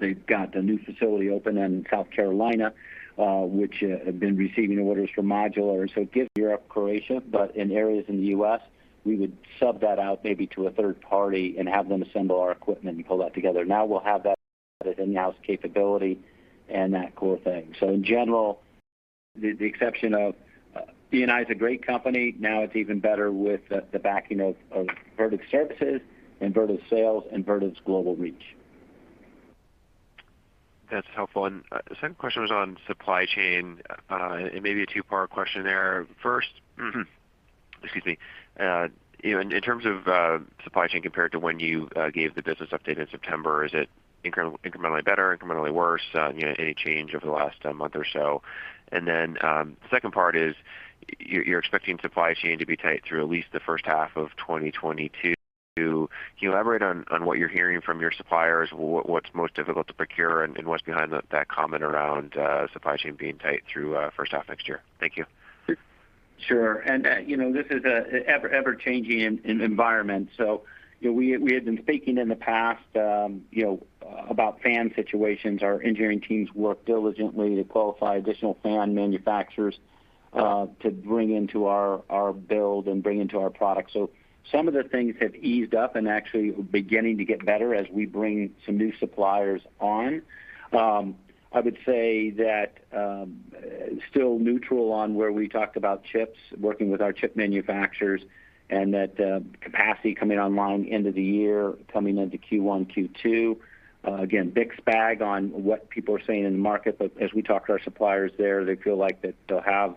They've got a new facility open in South Carolina, which have been receiving orders for modular. In Europe, Croatia, but in areas in the U.S., we would sub that out maybe to a third party and have them assemble our equipment and pull that together. Now we'll have that as in-house capability and that core thing. In general, the exception of E&I's a great company. Now it's even better with the backing of Vertiv services and Vertiv sales and Vertiv's global reach. That's helpful. The second question was on supply chain. It may be a two-part question there. First, excuse me. You know, in terms of supply chain compared to when you gave the business update in September, is it incrementally better, incrementally worse? You know, any change over the last month or so? Second part is you're expecting supply chain to be tight through at least the first half of 2022. Can you elaborate on what you're hearing from your suppliers, what's most difficult to procure, and what's behind that comment around supply chain being tight through first half next year? Thank you. Sure. This is an ever-changing environment. You know, we had been speaking in the past, you know, about fan situations. Our engineering teams work diligently to qualify additional fan manufacturers to bring into our build and bring into our products. Some of the things have eased up, and we're actually beginning to get better as we bring some new suppliers on. I would say that, still neutral on where we talked about chips, working with our chip manufacturers, and that capacity is coming online end of the year, coming into Q1, Q2. Again, mixed bag on what people are seeing in the market, but as we talk to our suppliers there, they feel like that they'll have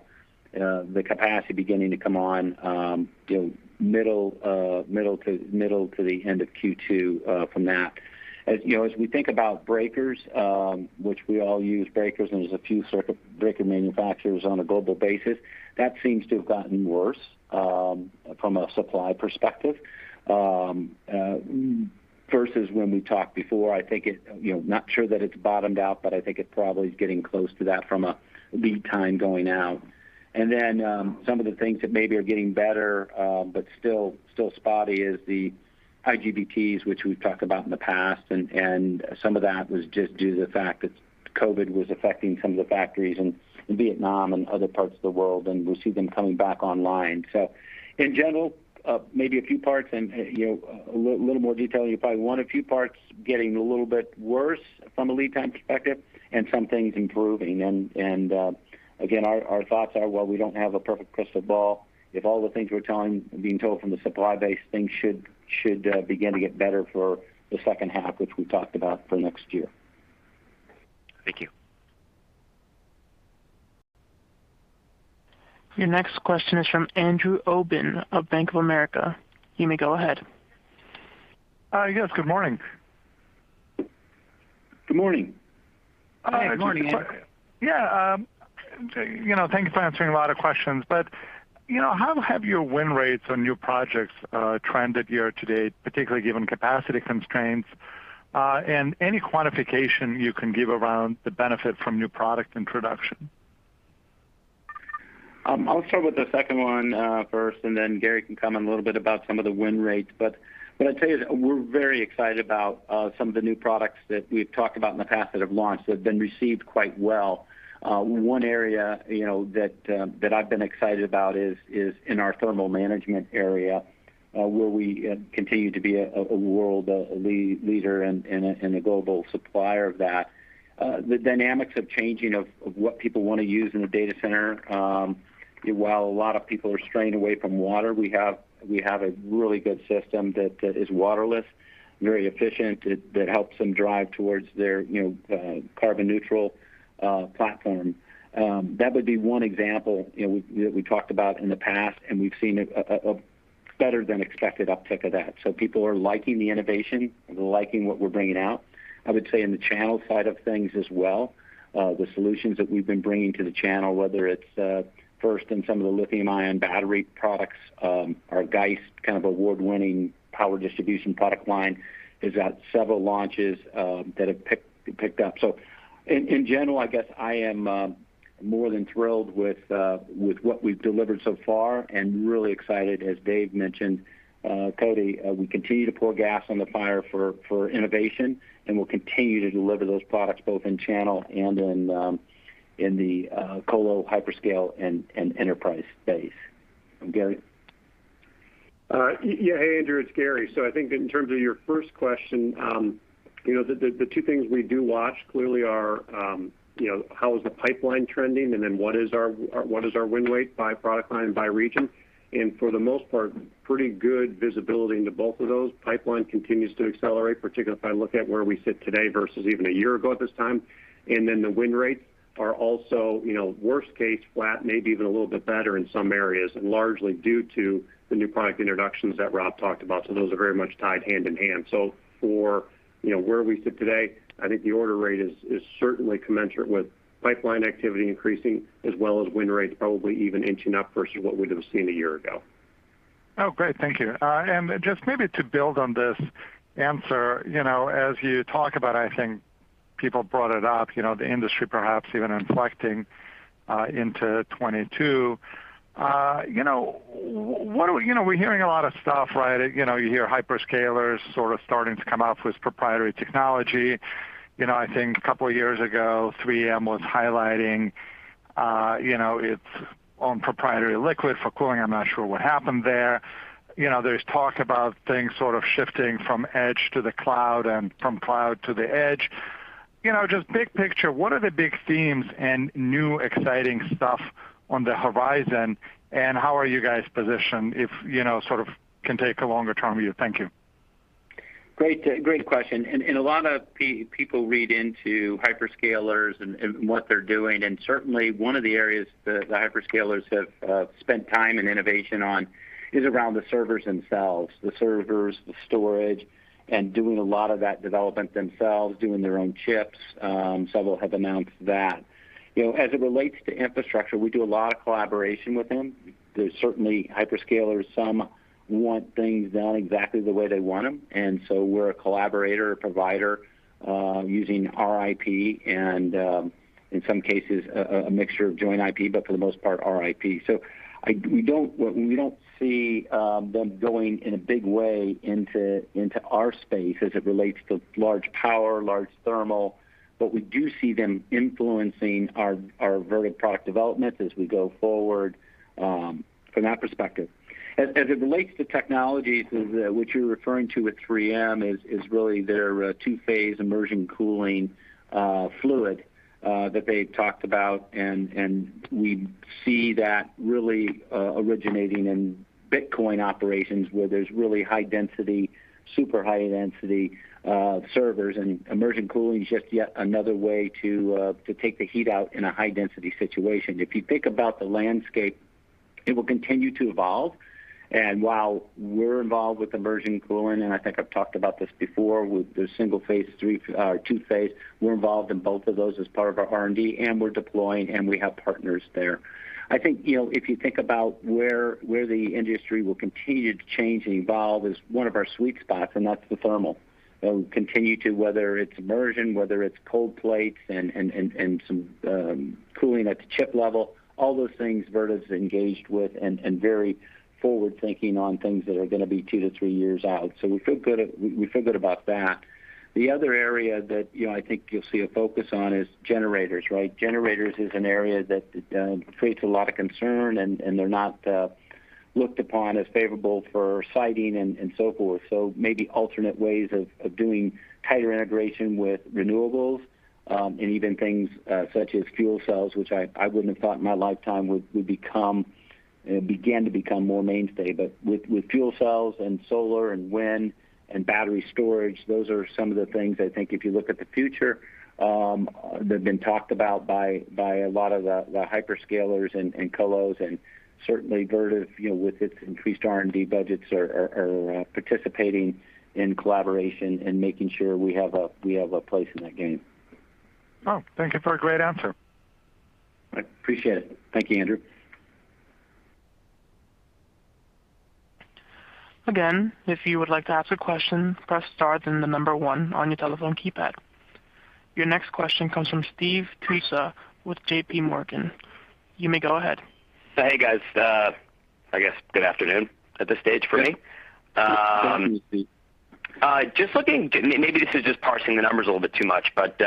the capacity beginning to come on, you know, middle to the end of Q2, from that. As we think about breakers, which we all use breakers, and there's a few circuit breaker manufacturers on a global basis, that seems to have gotten worse from a supply perspective versus when we talked before. I think, you know, not sure that it's bottomed out, but I think it probably is getting close to that from a lead time going out. Then, some of the things that maybe are getting better, but still spotty is the IGBTs, which we've talked about in the past. Some of that was just due to the fact that COVID was affecting some of the factories in Vietnam and other parts of the world, and we'll see them coming back online. In general, maybe a few parts and, you know, a little more detail you probably want, a few parts getting a little bit worse from a lead time perspective and some things improving. Again, our thoughts are, while we don't have a perfect crystal ball, if all the things we're being told from the supply base, things should begin to get better for the second half, which we talked about for next year. Thank you. Your next question is from Andrew Obin of Bank of America. You may go ahead. Yes, good morning. Good morning. Uh, just a que- Hey, good morning, Andrew. Yeah, you know, thank you for answering a lot of questions. You know, how have your win rates on new projects trended year to date, particularly given capacity constraints, and any quantification you can give around the benefit from new product introduction? I'll start with the second one first, and then Gary can come in a little bit about some of the win rates. What I'd say is we're very excited about some of the new products that we've talked about in the past that have launched, that have been received quite well. One area, you know, that I've been excited about is in our thermal management area, where we continue to be a world leader and a global supplier of that. The dynamics of changing of what people wanna use in the data center, while a lot of people are straying away from water, we have a really good system that is waterless, very efficient, that helps them drive towards their, you know, carbon neutral platform. That would be one example, you know, that we talked about in the past, and we've seen a better-than-expected uptick of that. People are liking the innovation, liking what we're bringing out. I would say in the channel side of things as well, the solutions that we've been bringing to the channel, whether it's first in some of the lithium-ion battery products, our Geist kind of award-winning power distribution product line has had several launches that have picked up. In general, I guess I am more than thrilled with what we've delivered so far and really excited, as Dave Cote mentioned, we continue to pour gas on the fire for innovation, and we'll continue to deliver those products both in channel and in the colo, hyperscale, and enterprise space. Gary? Yeah. Hey, Andrew, it's Gary. I think in terms of your first question, you know, the two things we do watch clearly are, you know, how is the pipeline trending, and then what is our win rate by product line and by region? For the most part, pretty good visibility into both of those. Pipeline continues to accelerate, particularly if I look at where we sit today versus even a year ago at this time. The win rates are also, you know, worst case, flat, maybe even a little bit better in some areas, and largely due to the new product introductions that Rob talked about. Those are very much tied hand in hand. You know, where we sit today, I think the order rate is certainly commensurate with pipeline activity increasing as well as win rates probably even inching up versus what we'd have seen a year ago. Oh, great. Thank you. Just maybe to build on this answer, you know, as you talk about, I think people brought it up, you know, the industry perhaps even inflecting into 2022. You know, we're hearing a lot of stuff, right? You know, you hear hyperscalers sort of starting to come out with proprietary technology. You know, I think a couple of years ago, 3M was highlighting, you know, its own proprietary liquid for cooling. I'm not sure what happened there. You know, there's talk about things sort of shifting from edge to the cloud and from cloud to the edge. You know, just big picture, what are the big themes and new exciting stuff on the horizon, and how are you guys positioned if, you know, sort of can take a longer-term view? Thank you. Great question. A lot of people read into hyperscalers and what they're doing, and certainly one of the areas the hyperscalers have spent time and innovation on is around the servers themselves, the storage, and doing a lot of that development themselves, their own chips. Several have announced that. You know, as it relates to infrastructure, we do a lot of collaboration with them. There's certainly hyperscalers, some want things done exactly the way they want them, and so we're a collaborator, a provider, using our IP and, in some cases a mixture of joint IP, but for the most part, our IP. We don't what we don't see them going in a big way into our space as it relates to large power, large thermal, but we do see them influencing our Vertiv product development as we go forward from that perspective. As it relates to technologies, what you're referring to with 3M is really their two-phase immersion cooling fluid that they talked about and we see that really originating in Bitcoin operations where there's really high density, super high-density servers. Immersion cooling is just yet another way to take the heat out in a high-density situation. If you think about the landscape. It will continue to evolve. While we're involved with immersion cooling, and I think I've talked about this before with the single phase three-- two-phase. We're involved in both of those as part of our R&D, and we're deploying, and we have partners there. I think, you know, if you think about where the industry will continue to change and evolve is one of our sweet spots, and that's the thermal. It will continue to, whether it's immersion, whether it's cold plates and some cooling at the chip level, all those things Vertiv's engaged with and very forward-thinking on things that are gonna be two-three years out. We feel good about that. The other area that, you know, I think you'll see a focus on is generators, right? Generators is an area that creates a lot of concern, and they're not looked upon as favorable for siting and so forth. Maybe alternate ways of doing tighter integration with renewables, and even things such as fuel cells, which I wouldn't have thought in my lifetime would begin to become more mainstay. With fuel cells and solar and wind and battery storage, those are some of the things I think if you look at the future, they've been talked about by a lot of the hyperscalers and colos, and certainly Vertiv, you know, with its increased R&D budgets are participating in collaboration and making sure we have a place in that game. Oh, thank you for a great answer. I appreciate it. Thank you, Andrew. Again, if you would like to ask a question, press star, then the number one on your telephone keypad. Your next question comes from Steve Tusa with JPMorgan. You may go ahead. Hey, guys. I guess good afternoon at this stage for me. Yes. Good afternoon, Steve. Just looking. Maybe this is just parsing the numbers a little bit too much, but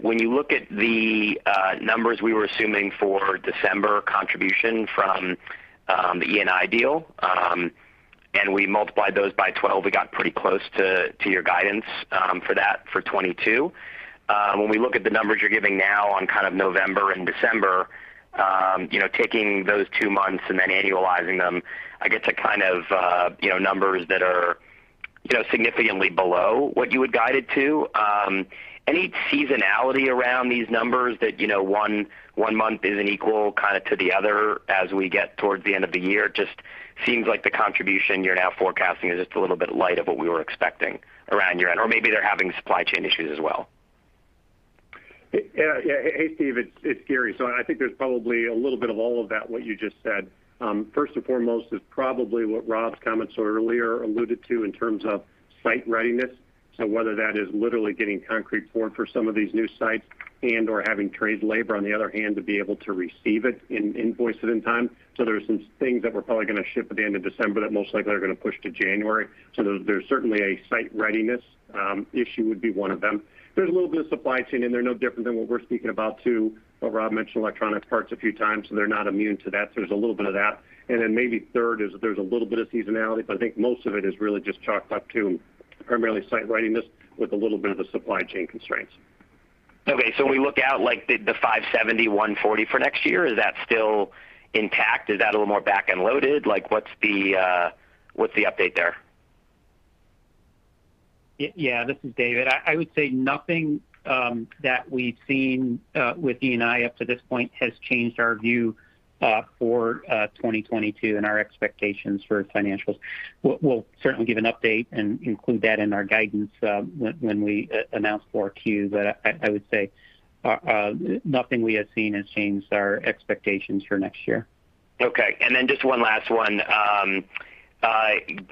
when you look at the numbers we were assuming for December contribution from the E&I deal, and we multiplied those by 12, we got pretty close to your guidance for that for 2022. When we look at the numbers you're giving now on kind of November and December, you know, taking those two months and then annualizing them, I get to kind of you know numbers that are you know significantly below what you had guided to. Any seasonality around these numbers that you know one month isn't equal kind of to the other as we get towards the end of the year? Just seems like the contribution you're now forecasting is just a little bit light of what we were expecting around year-end. Maybe they're having supply chain issues as well. Yeah. Hey, Steve, it's Gary. I think there's probably a little bit of all of that, what you just said. First and foremost is probably what Rob's comments earlier alluded to in terms of site readiness. Whether that is literally getting concrete poured for some of these new sites and/or having trades labor on hand, to be able to receive it, install it in time. There are some things that we're probably gonna ship at the end of December that most likely are gonna push to January. There's certainly a site readiness issue that would be one of them. There's a little bit of supply chain, and they're no different than what we're speaking about too, what Rob mentioned, electronic parts a few times, so they're not immune to that. There's a little bit of that. Maybe third is there's a little bit of seasonality, but I think most of it is really just chalked up to primarily site readiness with a little bit of the supply chain constraints. Okay. We look out like the $570, $140 for next year. Is that still intact? Is that a little more back-end loaded? Like, what's the update there? This is David. I would say nothing that we've seen with E&I up to this point has changed our view for 2022 and our expectations for financials. We'll certainly give an update and include that in our guidance when we announce 4Q. I would say nothing we have seen has changed our expectations for next year. Okay. Just one last one.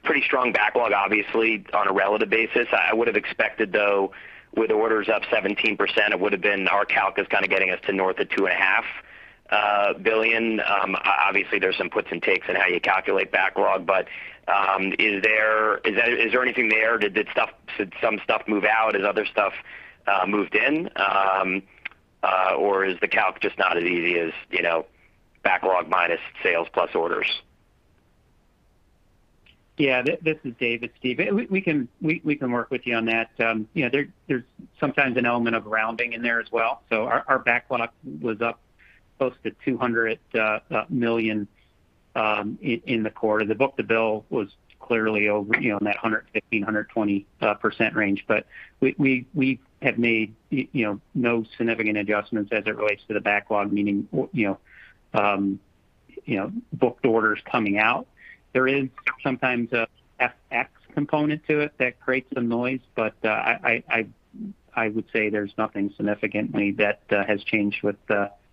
Pretty strong backlog, obviously, on a relative basis. I would have expected, though, with orders up 17%, it would have been our calc is kind of getting us to north of $2.5 billion. Obviously, there's some puts and takes in how you calculate backlog. Is there anything there? Did some stuff move out? Has other stuff moved in? Or is the calc just not as easy as, you know, backlog minus sales plus orders? Yeah. This is David, Steve. We can work with you on that. You know, there's sometimes an element of rounding in there as well. Our backlog was up close to $200 million in the quarter. The book-to-bill was clearly over, you know, in that 115%-120% range. We have made, you know, no significant adjustments as it relates to the backlog, meaning, you know, booked orders coming out. There is sometimes a FX component to it that creates some noise, but I would say there's nothing significantly that has changed with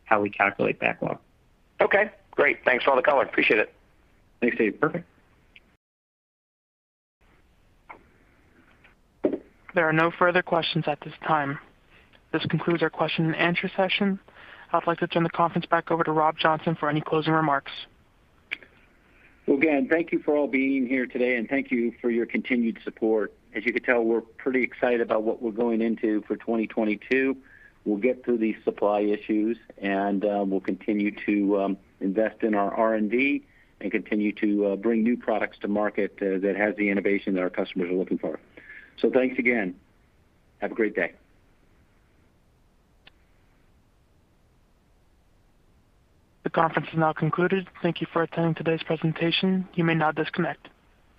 how we calculate backlog. Okay, great. Thanks for all the color. Appreciate it. Thanks, Steve. Perfect. There are no further questions at this time. This concludes our question-and-answer session. I'd like to turn the conference back over to Rob Johnson for any closing remarks. Well, again, thank you for all being here today, and thank you for your continued support. As you can tell, we're pretty excited about what we're going into for 2022. We'll get through these supply issues, and we'll continue to invest in our R&D and continue to bring new products to market that has the innovation that our customers are looking for. Thanks again. Have a great day. The conference is now concluded. Thank you for attending today's presentation. You may now disconnect.